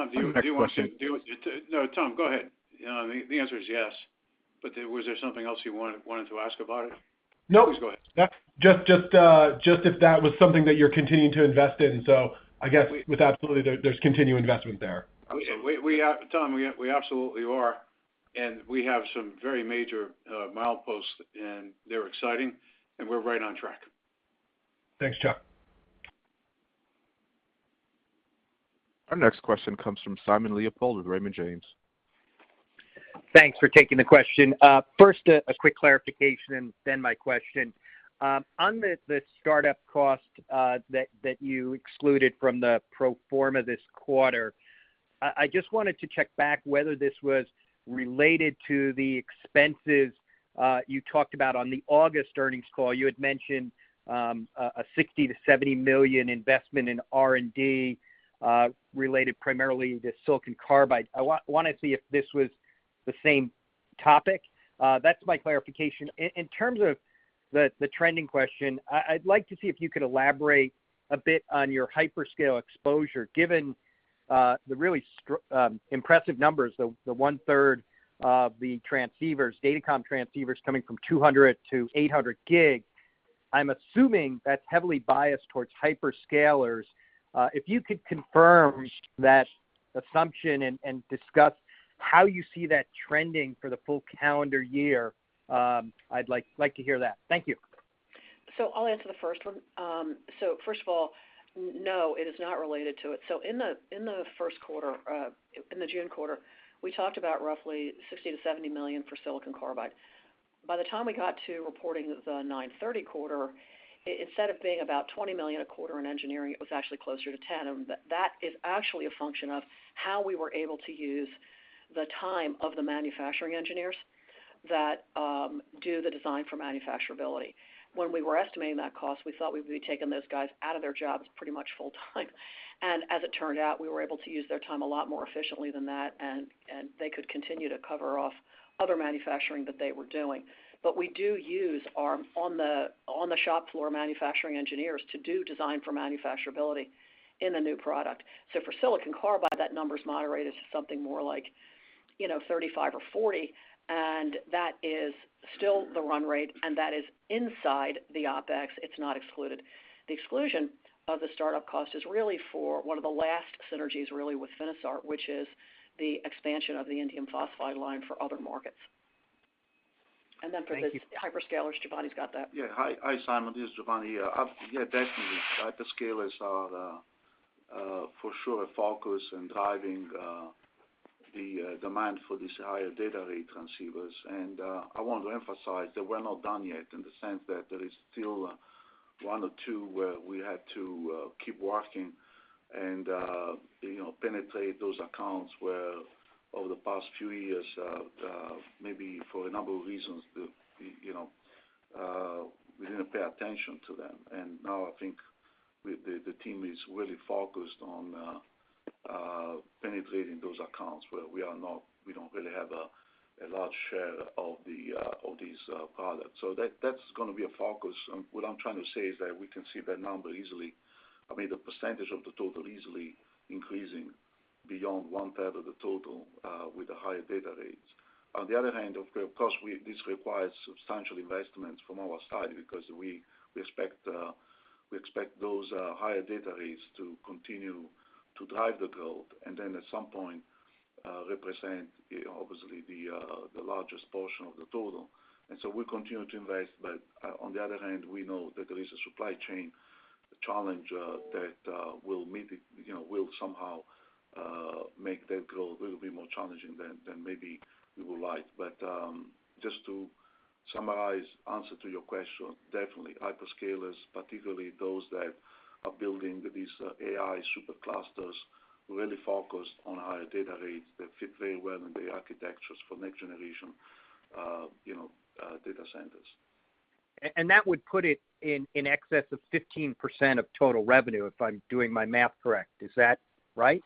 Tom, do you want to- Next question. No, Tom, go ahead. I mean, the answer is yes, but there was something else you wanted to ask about it? No. Please go ahead. Just if that was something that you're continuing to invest in. I guess with absolutely there's continuing investment there. Absolutely. Tom, we absolutely are, and we have some very major milestones, and they're exciting, and we're right on track. Thanks, Chuck. Our next question comes from Simon Leopold with Raymond James. Thanks for taking the question. First, a quick clarification, then my question. On the startup cost that you excluded from the pro forma this quarter, I just wanted to check back whether this was related to the expenses you talked about on the August earnings call. You had mentioned a $60 million-$70 million investment in R&D related primarily to silicon carbide. I wanna see if this was the same topic. That's my clarification. In terms of the trending question, I'd like to see if you could elaborate a bit on your hyperscale exposure, given the really impressive numbers, the one-third of the transceivers, datacom transceivers coming from 200G to 800G. I'm assuming that's heavily biased towards hyperscalers. If you could confirm that assumption and discuss how you see that trending for the full calendar year, I'd like to hear that. Thank you. I'll answer the first one. First of all, no, it is not related to it. In the Q1, the June quarter, we talked about roughly $60 million-$70 million for silicon carbide. By the time we got to reporting the 9/30 quarter, instead of being about $20 million a quarter in engineering, it was actually closer to $10 million. That is actually a function of how we were able to use the time of the manufacturing engineers that do the design for manufacturability. When we were estimating that cost, we thought we'd be taking those guys out of their jobs pretty much full time. As it turned out, we were able to use their time a lot more efficiently than that, and they could continue to cover off other manufacturing that they were doing. We do use our own, on the shop floor manufacturing engineers to do design for manufacturability in the new product. For silicon carbide, that number is moderated to something more like, you know, 35 or 40, and that is still the run rate, and that is inside the OpEx. It's not excluded. The exclusion of the start-up cost is really for one of the last synergies, really with Finisar, which is the expansion of the indium phosphide line for other markets. Thank you. For the hyperscalers, Giovanni's got that. Yeah. Hi. Hi, Simon. This is Giovanni here. Yeah, definitely. Hyperscalers are the for sure a focus in driving the demand for these higher data rate transceivers. I want to emphasize that we're not done yet in the sense that there is still one or two where we had to keep working and you know, penetrate those accounts where over the past few years maybe for a number of reasons, the you know we didn't pay attention to them. Now I think with the team is really focused on penetrating those accounts where we don't really have a large share of the of these products. That that's gonna be a focus. What I'm trying to say is that we can see that number easily. I mean, the percentage of the total easily increasing beyond 1/3 of the total with the higher data rates. On the other hand, of course, this requires substantial investments from our side because we expect those higher data rates to continue to drive the growth and then at some point represent, obviously, the largest portion of the total. We continue to invest. On the other hand, we know that there is a supply chain challenge that will meet it, you know, will somehow make that growth a little bit more challenging than maybe we would like. Just to summarize the answer to your question, definitely hyperscalers, particularly those that are building these AI superclusters, really focused on higher data rates that fit very well in the architectures for next generation, you know, data centers. that would put it in excess of 15% of total revenue, if I'm doing my math correct. Is that right?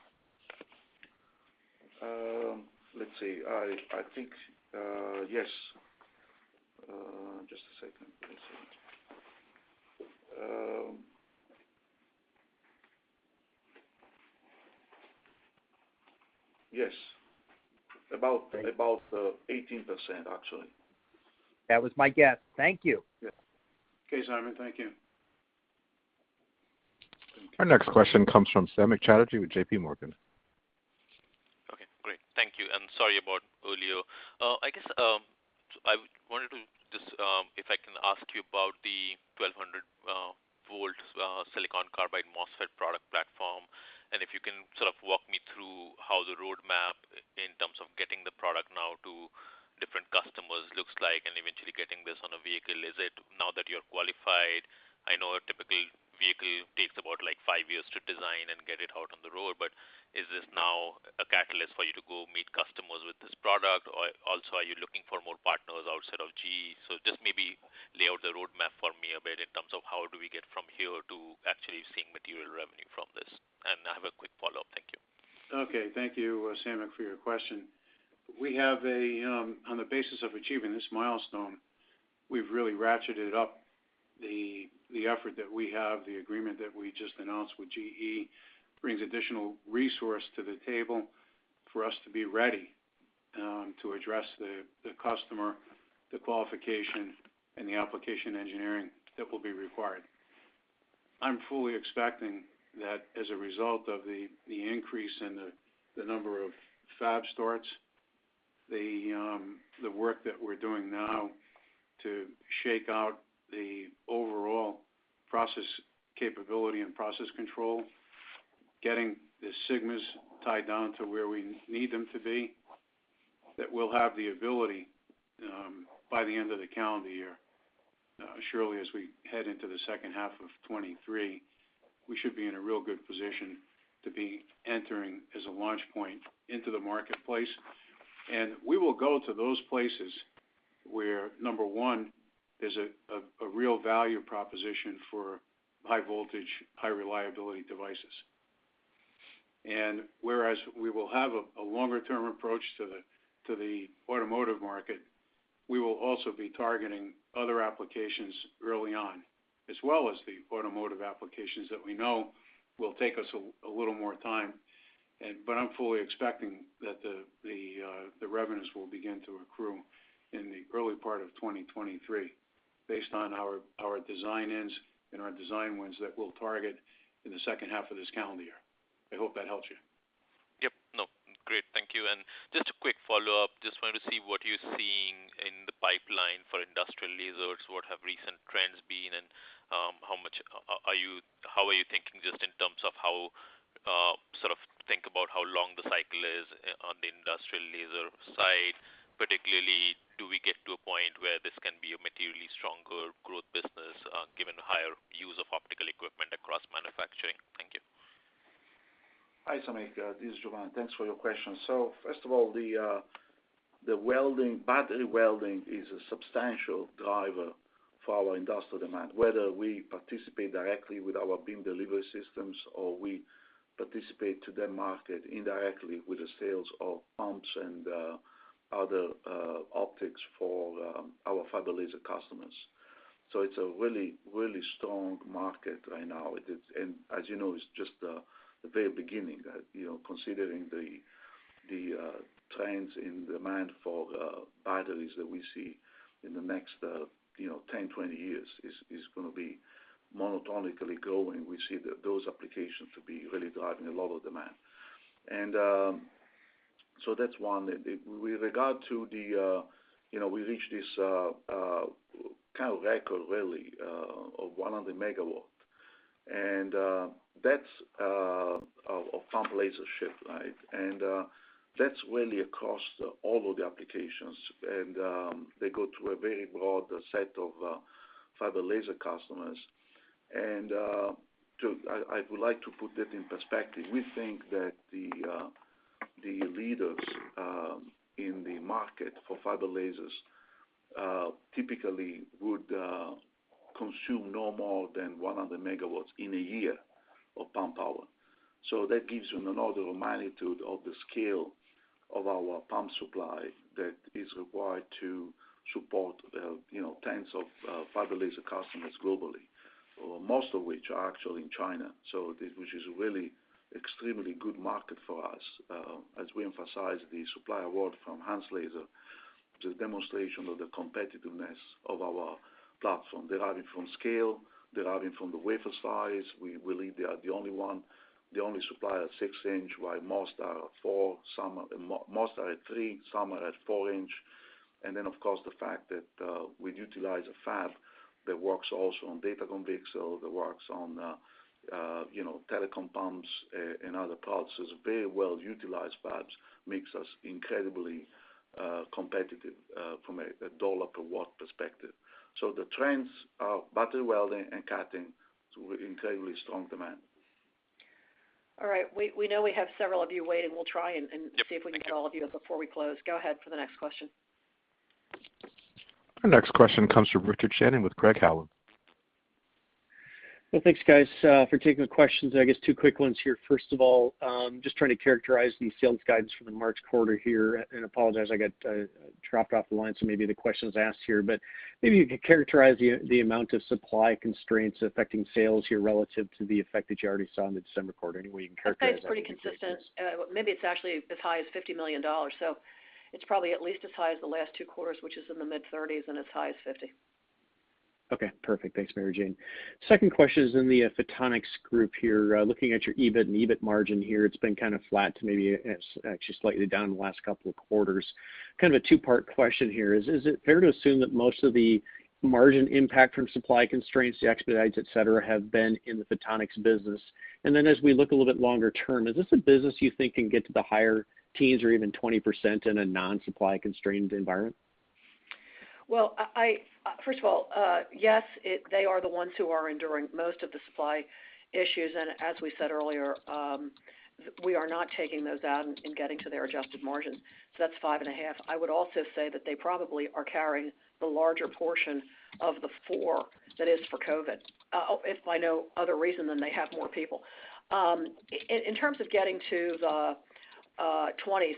Let's see. I think yes. Yes. About 18% actually. That was my guess. Thank you. Yeah. Okay, Simon. Thank you. Our next question comes from Samik Chatterjee with J.P. Morgan. Okay, great. Thank you, and sorry about earlier. I guess I wanted to just if I can ask you about the 1200 volt silicon carbide MOSFET product platform, and if you can sort of walk me through how the roadmap in terms of getting the product now to different customers looks like, and eventually getting this on a vehicle. Is it now that you're qualified? I know a typical vehicle takes about like five years to design and get it out on the road, but is this now a catalyst for you to go meet customers with this product? Or also, are you looking for more partners outside of GE? Just maybe lay out the roadmap for me a bit in terms of how do we get from here to actually seeing material revenue from this. I have a quick follow-up. Thank you. Okay. Thank you, Samik, for your question. On the basis of achieving this milestone, we've really ratcheted up the effort that we have, the agreement that we just announced with GE brings additional resource to the table for us to be ready to address the customer, the qualification, and the application engineering that will be required. I'm fully expecting that as a result of the increase in the number of fab starts, the work that we're doing now to shake out the overall process capability and process control, getting the sigmas tied down to where we need them to be, that we'll have the ability, by the end of the calendar year, surely as we head into the H2 of 2023, we should be in a real good position to be entering as a launch point into the marketplace. We will go to those places where number one, there's a real value proposition for high voltage, high reliability devices. Whereas we will have a longer-term approach to the automotive market, we will also be targeting other applications early on, as well as the automotive applications that we know will take us a little more time. I'm fully expecting that the revenues will begin to accrue in the early part of 2023 based on our design-ins and our design wins that we'll target in the H2 of this calendar year. I hope that helps you. Yep. No. Great. Thank you. Just a quick follow-up. Just wanted to see what you're seeing in the pipeline for industrial lasers, what have recent trends been, and how are you thinking just in terms of how sort of think about how long the cycle is on the industrial laser side? Particularly, do we get to a point where this can be a materially stronger growth business, given higher use of optical equipment across manufacturing? Thank you. Hi, Samik. This is Giovanni. Thanks for your question. First of all, the welding, battery welding is a substantial driver for our industrial demand, whether we participate directly with our beam delivery systems or we participate to that market indirectly with the sales of pumps and other optics for our fiber laser customers. It's a really, really strong market right now. It is. As you know, it's just the very beginning. You know, considering the trends in demand for batteries that we see in the next, you know, 10, 20 years is gonna be monotonically growing. We see those applications to be really driving a lot of demand. That's one. With regard to, you know, we reached this kind of record really of 100 megawatt. That's a pump laser shipment, right? That's really across all of the applications. They go to a very broad set of fiber laser customers. I would like to put that in perspective. We think that the leaders in the market for fiber lasers typically would consume no more than 100 MW in a year of pump power. That gives you an order of magnitude of the scale of our pump supply that is required to support, you know, tens of fiber laser customers globally, most of which are actually in China. Which is a really extremely good market for us. As we emphasize the supply award from Han's Laser, the demonstration of the competitiveness of our platform, deriving from scale, deriving from the wafer size. We believe they are the only one, the only supplier at 6-inch, while most are at 4, most are at 3, some are at 4-inch. Of course, the fact that we utilize a fab that works also on Datacom VCSEL, that works on telecom pumps and other products. It's a very well-utilized fab, makes us incredibly competitive from a $ per watt perspective. The trends are battery welding and cutting with incredibly strong demand. All right. We know we have several of you waiting. We'll try and see if we can get all of you before we close. Go ahead for the next question. Our next question comes from Richard Shannon with Craig-Hallum. Well, thanks guys, for taking the questions. I guess two quick ones here. First of all, just trying to characterize the sales guidance for the March quarter here, and apologize, I got dropped off the line, so maybe the question was asked here. Maybe you could characterize the amount of supply constraints affecting sales here relative to the effect that you already saw in the December quarter. Any way you can characterize that. I think it's pretty consistent. Maybe it's actually as high as $50 million. It's probably at least as high as the last two quarters, which is in the mid-30s and as high as 50. Okay, perfect. Thanks, Mary Jane. Second question is in the Photonics group here, looking at your EBIT and EBIT margin here, it's been kind of flat to maybe it's actually slightly down the last couple of quarters. Kind of a two-part question here. Is it fair to assume that most of the margin impact from supply constraints to expedites, et cetera, have been in the Photonics business? And then as we look a little bit longer term, is this a business you think can get to the higher teens or even 20% in a non-supply constrained environment? Well, First of all, yes, they are the ones who are enduring most of the supply issues. As we said earlier, we are not taking those out in getting to their adjusted margin. So that's 5.5%. I would also say that they probably are carrying the larger portion of the 4% that is for COVID. If by no other reason than they have more people. In terms of getting to the 20s,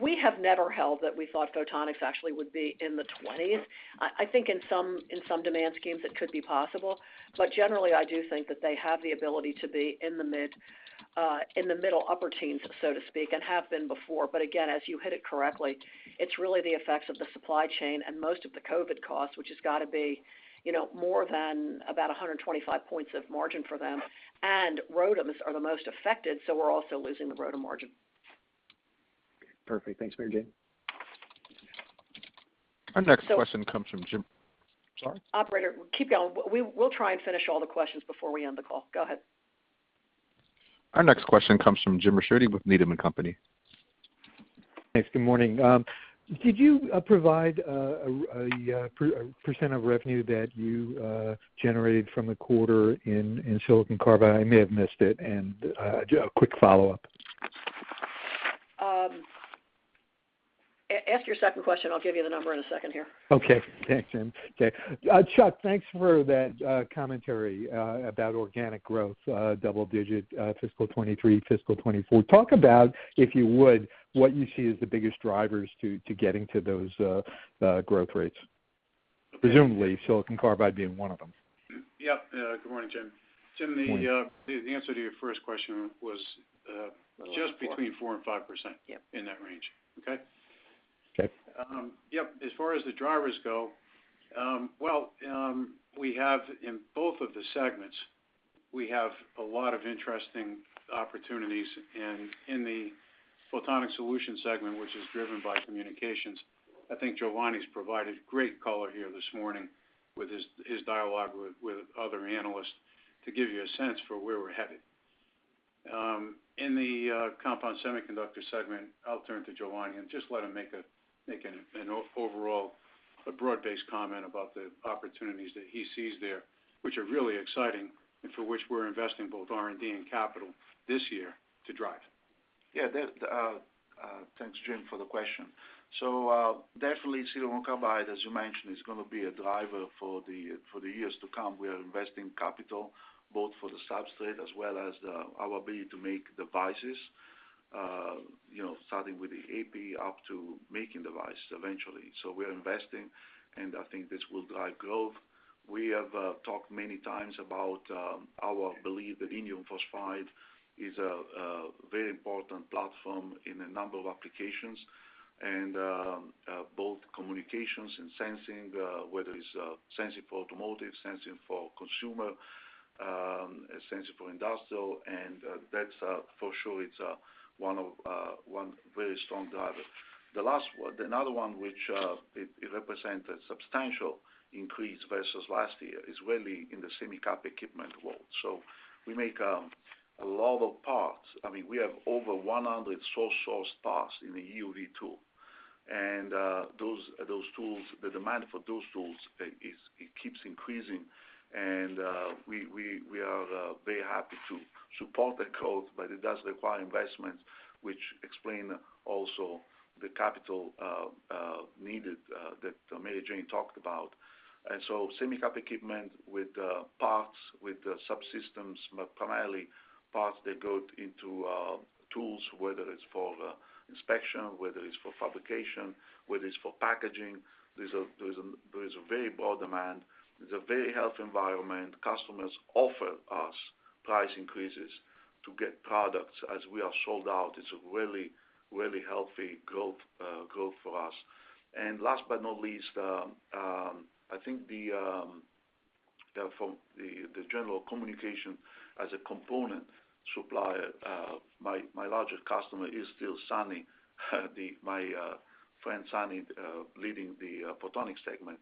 we have never held that we thought Photonics actually would be in the 20s. I think in some demand schemes, it could be possible. Generally, I do think that they have the ability to be in the middle upper teens, so to speak, and have been before. Again, as you hit it correctly, it's really the effects of the supply chain and most of the COVID costs, which has got to be, you know, more than about 125 points of margin for them. ROADMs are the most affected, so we're also losing the ROADM margin. Perfect. Thanks, Mary Jane. Our next question comes from Jim. Sorry? Operator, keep going. We'll try and finish all the questions before we end the call. Go ahead. Our next question comes from Jim Ricchiuti with Needham & Company. Thanks. Good morning. Could you provide a % of revenue that you generated from the quarter in silicon carbide? I may have missed it. A quick follow-up. Ask your second question. I'll give you the number in a second here. Okay. Thanks, Mary Jane. Chuck, thanks for that commentary about organic growth, double-digit, fiscal 2023, fiscal 2024. Talk about, if you would, what you see as the biggest drivers to getting to those growth rates. Presumably silicon carbide being one of them. Yeah. Good morning, Jim. Jim, the answer to your first question was just between 4% and 5%. Yeah. In that range. Okay? Okay. Yep. As far as the drivers go, well, we have in both of the segments, we have a lot of interesting opportunities. In the Photonic Solutions segment, which is driven by communications, I think Giovanni has provided great color here this morning with his dialogue with other analysts to give you a sense for where we're headed. In the Compound Semiconductors segment, I'll turn to Giovanni and just let him make an overall broad-based comment about the opportunities that he sees there, which are really exciting and for which we're investing both R&D and capital this year to drive. Yeah. Thanks, Jim, for the question. Definitely, silicon carbide, as you mentioned, is going to be a driver for the years to come. We are investing capital both for the substrate as well as our ability to make devices, you know, starting with the AP up to making device eventually. We are investing, and I think this will drive growth. We have talked many times about our belief that indium phosphide is a very important platform in a number of applications, and both communications and sensing, whether it's sensing for automotive, sensing for consumer, sensing for industrial, and that's for sure it's one very strong driver. The last one. Another one which it represent a substantial increase versus last year is really in the semi cap equipment world. We make a lot of parts. I mean, we have over 100 sole source parts in the EUV tool. Those tools, the demand for those tools, it keeps increasing. We are very happy to support that growth, but it does require investment, which explain also the capital needed that Mary Jane talked about. Semi cap equipment with parts, with the subsystems, but primarily parts that go into tools, whether it's for inspection, whether it's for fabrication, whether it's for packaging, there is a very broad demand. There is a very healthy environment. Customers offer us price increases to get products as we are sold out. It's a really healthy growth for us. Last but not least, I think you know from the general communications as a component supplier, my largest customer is still Sunny, my friend Sunny leading the Photonics segment.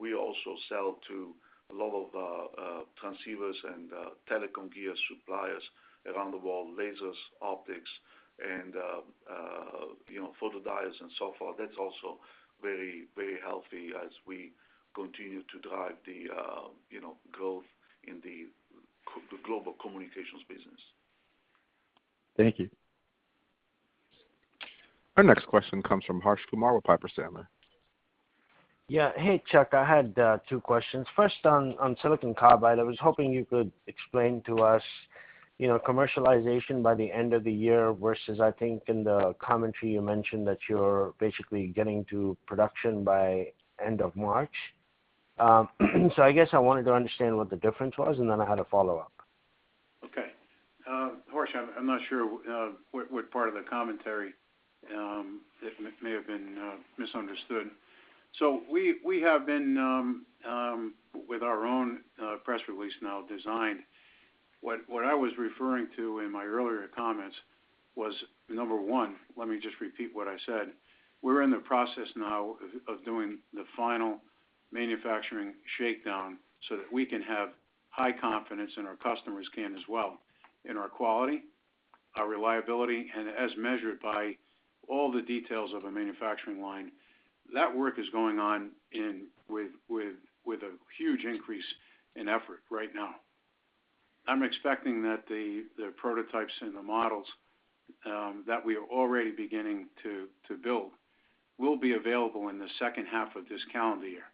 We also sell to a lot of transceivers and telecom gear suppliers around the world, lasers, optics, and you know, photodiodes and so forth. That's also very healthy as we continue to drive the you know, growth in the global communications business. Thank you. Our next question comes from Harsh Kumar with Piper Sandler. Yeah. Hey, Chuck, I had two questions. First on silicon carbide, I was hoping you could explain to us, you know, commercialization by the end of the year versus I think in the commentary you mentioned that you're basically getting to production by end of March. I guess I wanted to understand what the difference was, and then I had a follow-up. Okay. Harsh, I'm not sure what part of the commentary it may have been misunderstood. We have been with our own press release now designed. What I was referring to in my earlier comments was, number one, let me just repeat what I said. We're in the process now of doing the final manufacturing shakedown so that we can have high confidence and our customers can as well in our quality, our reliability, and as measured by all the details of a manufacturing line. That work is going on with a huge increase in effort right now. I'm expecting that the prototypes and the models that we are already beginning to build will be available in the H2 of this calendar year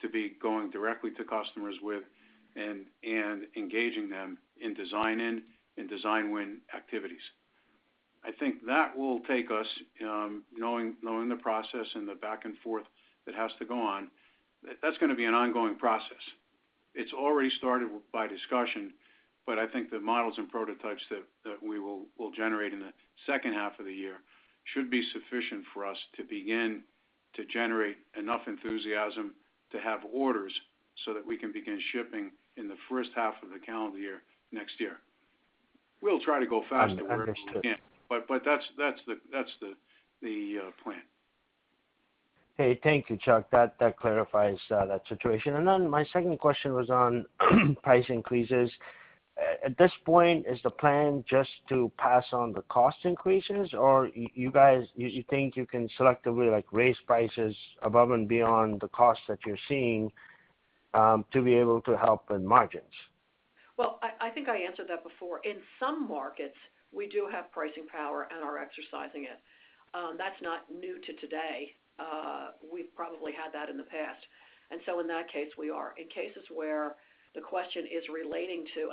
to be going directly to customers with and engaging them in design-in, in design win activities. I think that will take us knowing the process and the back and forth that has to go on. That's gonna be an ongoing process. It's already started with discussions, but I think the models and prototypes that we'll generate in the H2 of the year should be sufficient for us to begin to generate enough enthusiasm to have orders so that we can begin shipping in the H1 of the calendar year next year. We'll try to go faster wherever we can. Understood. That's the plan. Hey, thank you, Chuck. That clarifies that situation. My second question was on price increases. At this point, is the plan just to pass on the cost increases or you guys, you think you can selectively like raise prices above and beyond the cost that you're seeing, to be able to help in margins? Well, I think I answered that before. In some markets, we do have pricing power and are exercising it. That's not new to today. We've probably had that in the past. In that case, we are, and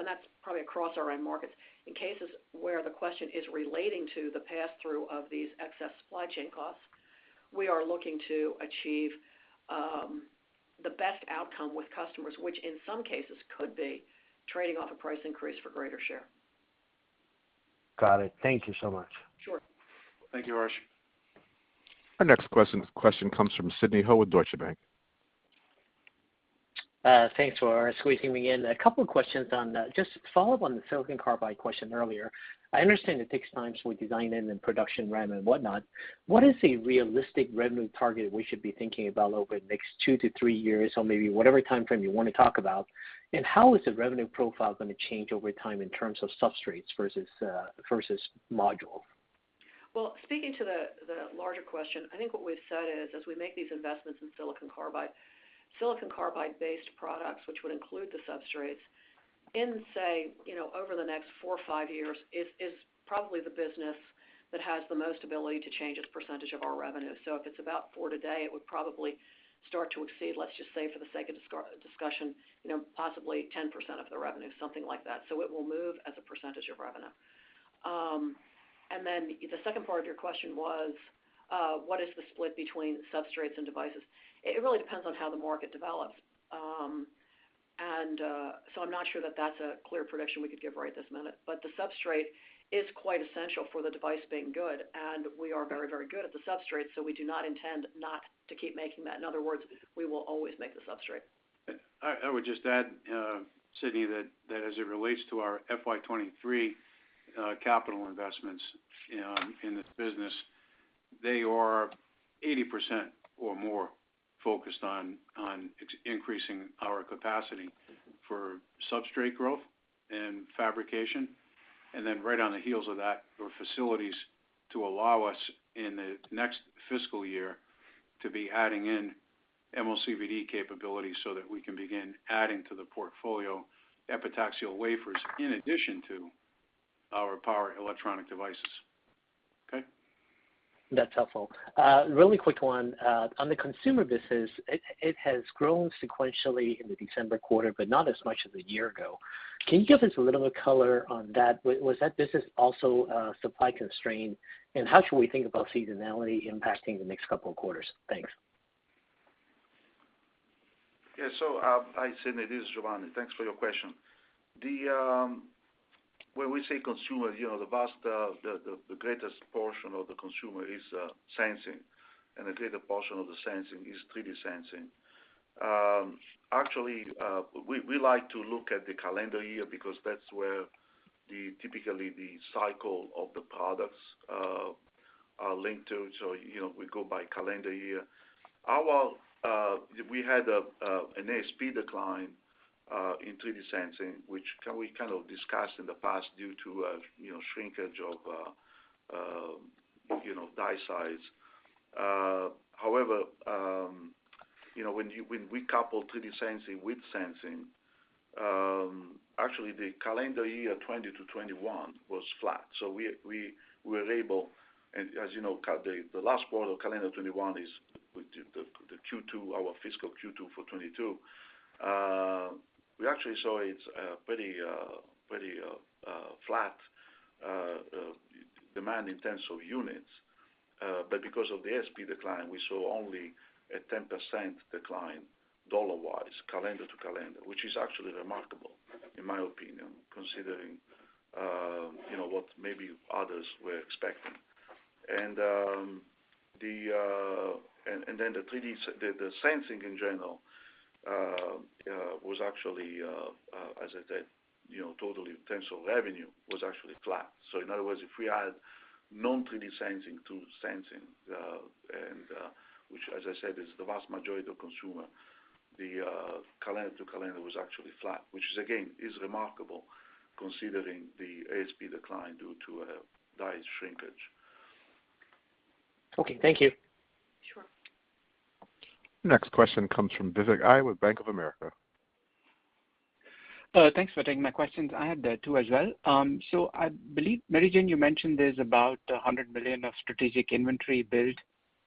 that's probably across our end markets. In cases where the question is relating to the pass-through of these excess supply chain costs, we are looking to achieve the best outcome with customers, which in some cases could be trading off a price increase for greater share. Got it. Thank you so much. Sure. Thank you, Harsh. Our next question comes from Sidney Ho with Deutsche Bank. Thanks for squeezing me in. A couple of questions on just to follow up on the silicon carbide question earlier. I understand it takes time for design and then production ramp and whatnot. What is a realistic revenue target we should be thinking about over the next 2-3 years or maybe whatever timeframe you wanna talk about? And how is the revenue profile gonna change over time in terms of substrates versus module? Well, speaking to the larger question, I think what we've said is, as we make these investments in silicon carbide, silicon carbide-based products, which would include the substrates, in say, you know, over the next 4 or 5 years is probably the business that has the most ability to change its percentage of our revenue. If it's about 4% today, it would probably start to exceed, let's just say for the sake of discussion, you know, possibly 10% of the revenue, something like that. It will move as a percentage of revenue. Then the second part of your question was, what is the split between substrates and devices. It really depends on how the market develops. I'm not sure that that's a clear prediction we could give right this minute. The substrate is quite essential for the device being good, and we are very, very good at the substrate, so we do not intend not to keep making that. In other words, we will always make the substrate. I would just add, Sidney, that as it relates to our FY 2023 capital investments in this business, they are 80% or more focused on increasing our capacity for substrate growth and fabrication. Right on the heels of that were facilities to allow us in the next fiscal year to be adding in MOCVD capabilities so that we can begin adding to the portfolio epitaxial wafers in addition to our power electronic devices. Okay? That's helpful. Really quick one. On the consumer business, it has grown sequentially in the December quarter, but not as much as a year ago. Can you give us a little bit color on that? Was that business also supply constrained? And how should we think about seasonality impacting the next couple of quarters? Thanks. Yeah. Hi, Sidney. This is Giovanni. Thanks for your question. When we say consumer, you know, the vast, the greatest portion of the consumer is sensing, and the greater portion of the sensing is 3D sensing. Actually, we like to look at the calendar year because that's where typically the cycle of the products are linked to. You know, we go by calendar year. We had an ASP decline in 3D sensing, which we kind of discussed in the past due to you know, shrinkage of die size. However, You know, when we couple 3D sensing with sensing, actually the calendar year 2020 to 2021 was flat. We were able and as you know, the last quarter, calendar 2021 Q2, our fiscal Q2 for 2022. We actually saw it was pretty flat demand in terms of units. But because of the ASP decline, we saw only a 10% decline dollar-wise, calendar to calendar. Which is actually remarkable, in my opinion, considering you know, what maybe others were expecting. The 3D sensing, the sensing in general was actually, as I said, you know, totally in terms of revenue, was actually flat. In other words, if we add non-3D sensing to sensing, which as I said, is the vast majority of consumer, the calendar to calendar was actually flat. Which is again remarkable considering the ASP decline due to a die shrinkage. Okay, thank you. Sure. Next question comes from Vivek Arya with Bank of America. Thanks for taking my questions. I had two as well. I believe, Mary Jane, you mentioned there's about $100 million of strategic inventory build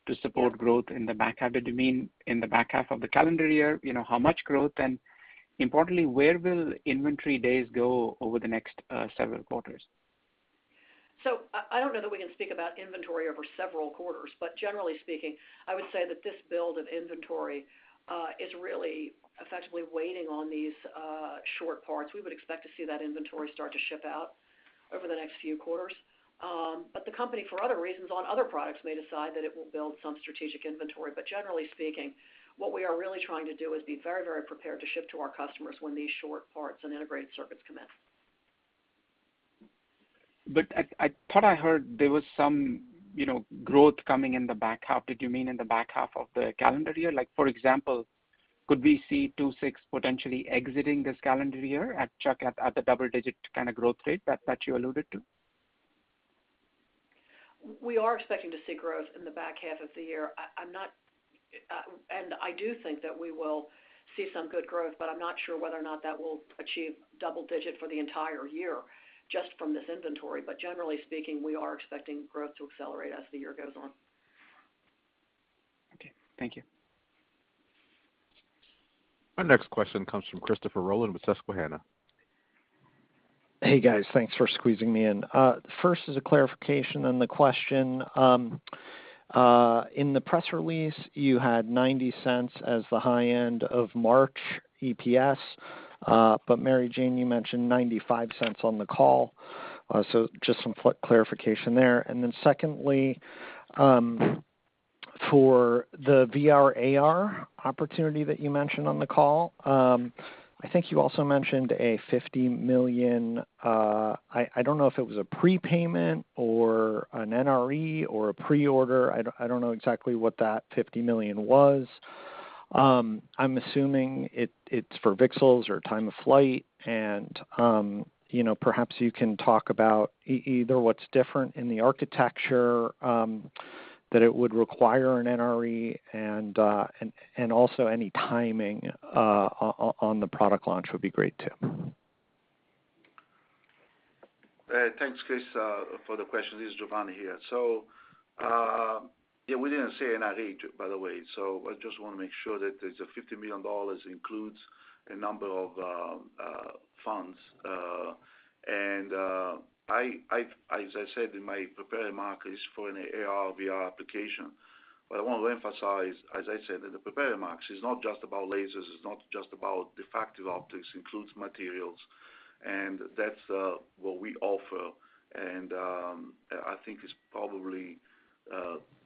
to support growth in the back half. Did you mean in the back half of the calendar year? You know, how much growth, and importantly, where will inventory days go over the next several quarters? I don't know that we can speak about inventory over several quarters. Generally speaking, I would say that this build of inventory is really effectively waiting on these short parts. We would expect to see that inventory start to ship out over the next few quarters. The company, for other reasons on other products, may decide that it will build some strategic inventory. Generally speaking, what we are really trying to do is be very, very prepared to ship to our customers when these short parts and integrated circuits come in. I thought I heard there was some, you know, growth coming in the back half. Did you mean in the back half of the calendar year? Like for example, could we see 26 potentially exiting this calendar year at Chuck at the double digit kind of growth rate that you alluded to? We are expecting to see growth in the back half of the year. I do think that we will see some good growth, but I'm not sure whether or not that will achieve double-digit for the entire year just from this inventory. Generally speaking, we are expecting growth to accelerate as the year goes on. Okay. Thank you. Our next question comes from Christopher Rolland with Susquehanna. Hey, guys. Thanks for squeezing me in. First is a clarification on the question. In the press release, you had $0.90 as the high end of March EPS. But Mary Jane, you mentioned $0.95 on the call. So just some quick clarification there. Then secondly, for the VR/AR opportunity that you mentioned on the call, I think you also mentioned a $50 million. I don't know if it was a prepayment or an NRE or a pre-order. I don't know exactly what that $50 million was. I'm assuming it's for VCSELs or time of flight and, you know, perhaps you can talk about either what's different in the architecture that it would require an NRE and also any timing on the product launch would be great too. Thanks, Chris, for the question. This is Giovanni here. Yeah, we didn't say NRE, by the way. I just wanna make sure that the $50 million includes a number of funds. As I said in my prepared remarks, it is for an AR/VR application. What I want to emphasize, as I said in the prepared remarks, it's not just about lasers, it's not just about diffractive optics, includes materials, and that's what we offer. I think it's probably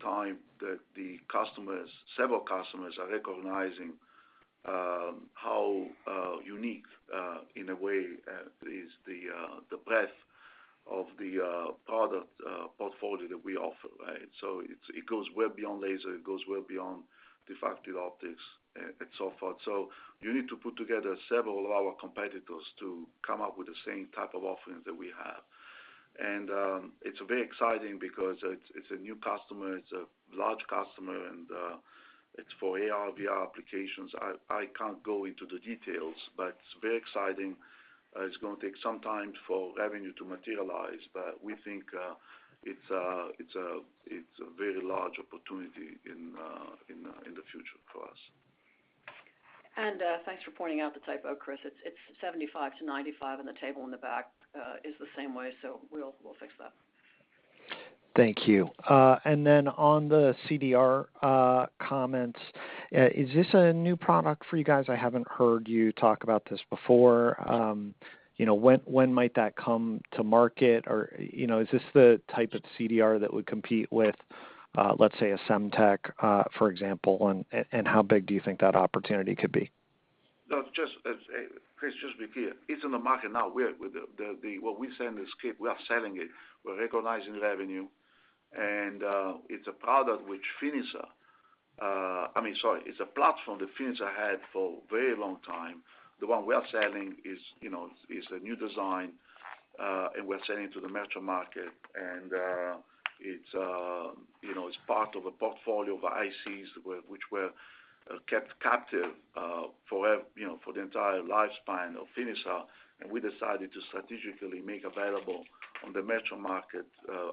time that several customers are recognizing how unique, in a way, is the breadth of the product portfolio that we offer, right? It goes well beyond laser, it goes well beyond diffractive optics and so forth. You need to put together several of our competitors to come up with the same type of offerings that we have. It's very exciting because it's a new customer, it's a large customer, and it's for AR/VR applications. I can't go into the details, but it's very exciting. It's gonna take some time for revenue to materialize, but we think it's a very large opportunity in the future for us. Thanks for pointing out the typo, Chris. It's 75-95, and the table in the back is the same way, so we'll fix that. Thank you. On the CDR comments, is this a new product for you guys? I haven't heard you talk about this before. You know, when might that come to market? You know, is this the type of CDR that would compete with, let's say a Semtech, for example? How big do you think that opportunity could be? No, Christopher, just to be clear, it's in the market now. We're the what we sell in Escape, we are selling it. We're recognizing revenue. It's a product which Finisar. I mean, sorry, it's a platform that Finisar had for a very long time. The one we are selling is, you know, a new design, and we're selling to the metro market. It's, you know, it's part of a portfolio of ICs which were kept captive, you know, for the entire lifespan of Finisar. We decided to strategically make available on the metro market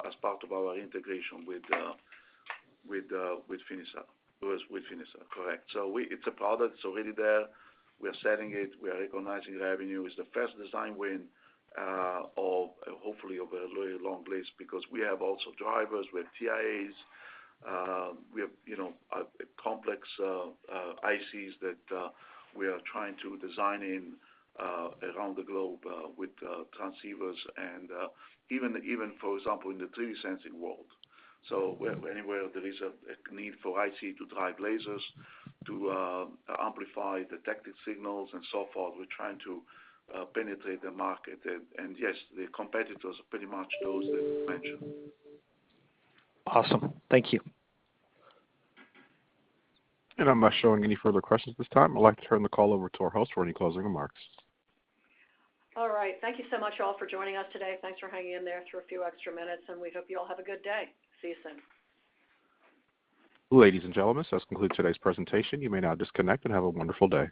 as part of our integration with Finisar. It was with Finisar, correct. It's a product. It's already there. We are selling it. We are recognizing revenue. It's the first design win of hopefully of a very long list because we have also drivers. We have TIAs. We have, you know, complex ICs that we are trying to design in around the globe with transceivers and even for example, in the 3D sensing world. So anywhere there is a need for IC to drive lasers to amplify detected signals and so forth, we're trying to penetrate the market. Yes, the competitors are pretty much those that you mentioned. Awesome. Thank you. I'm not showing any further questions at this time. I'd like to turn the call over to our host for any closing remarks. All right. Thank you so much all for joining us today. Thanks for hanging in there through a few extra minutes, and we hope you all have a good day. See you soon. Ladies and gentlemen, this concludes today's presentation. You may now disconnect and have a wonderful day.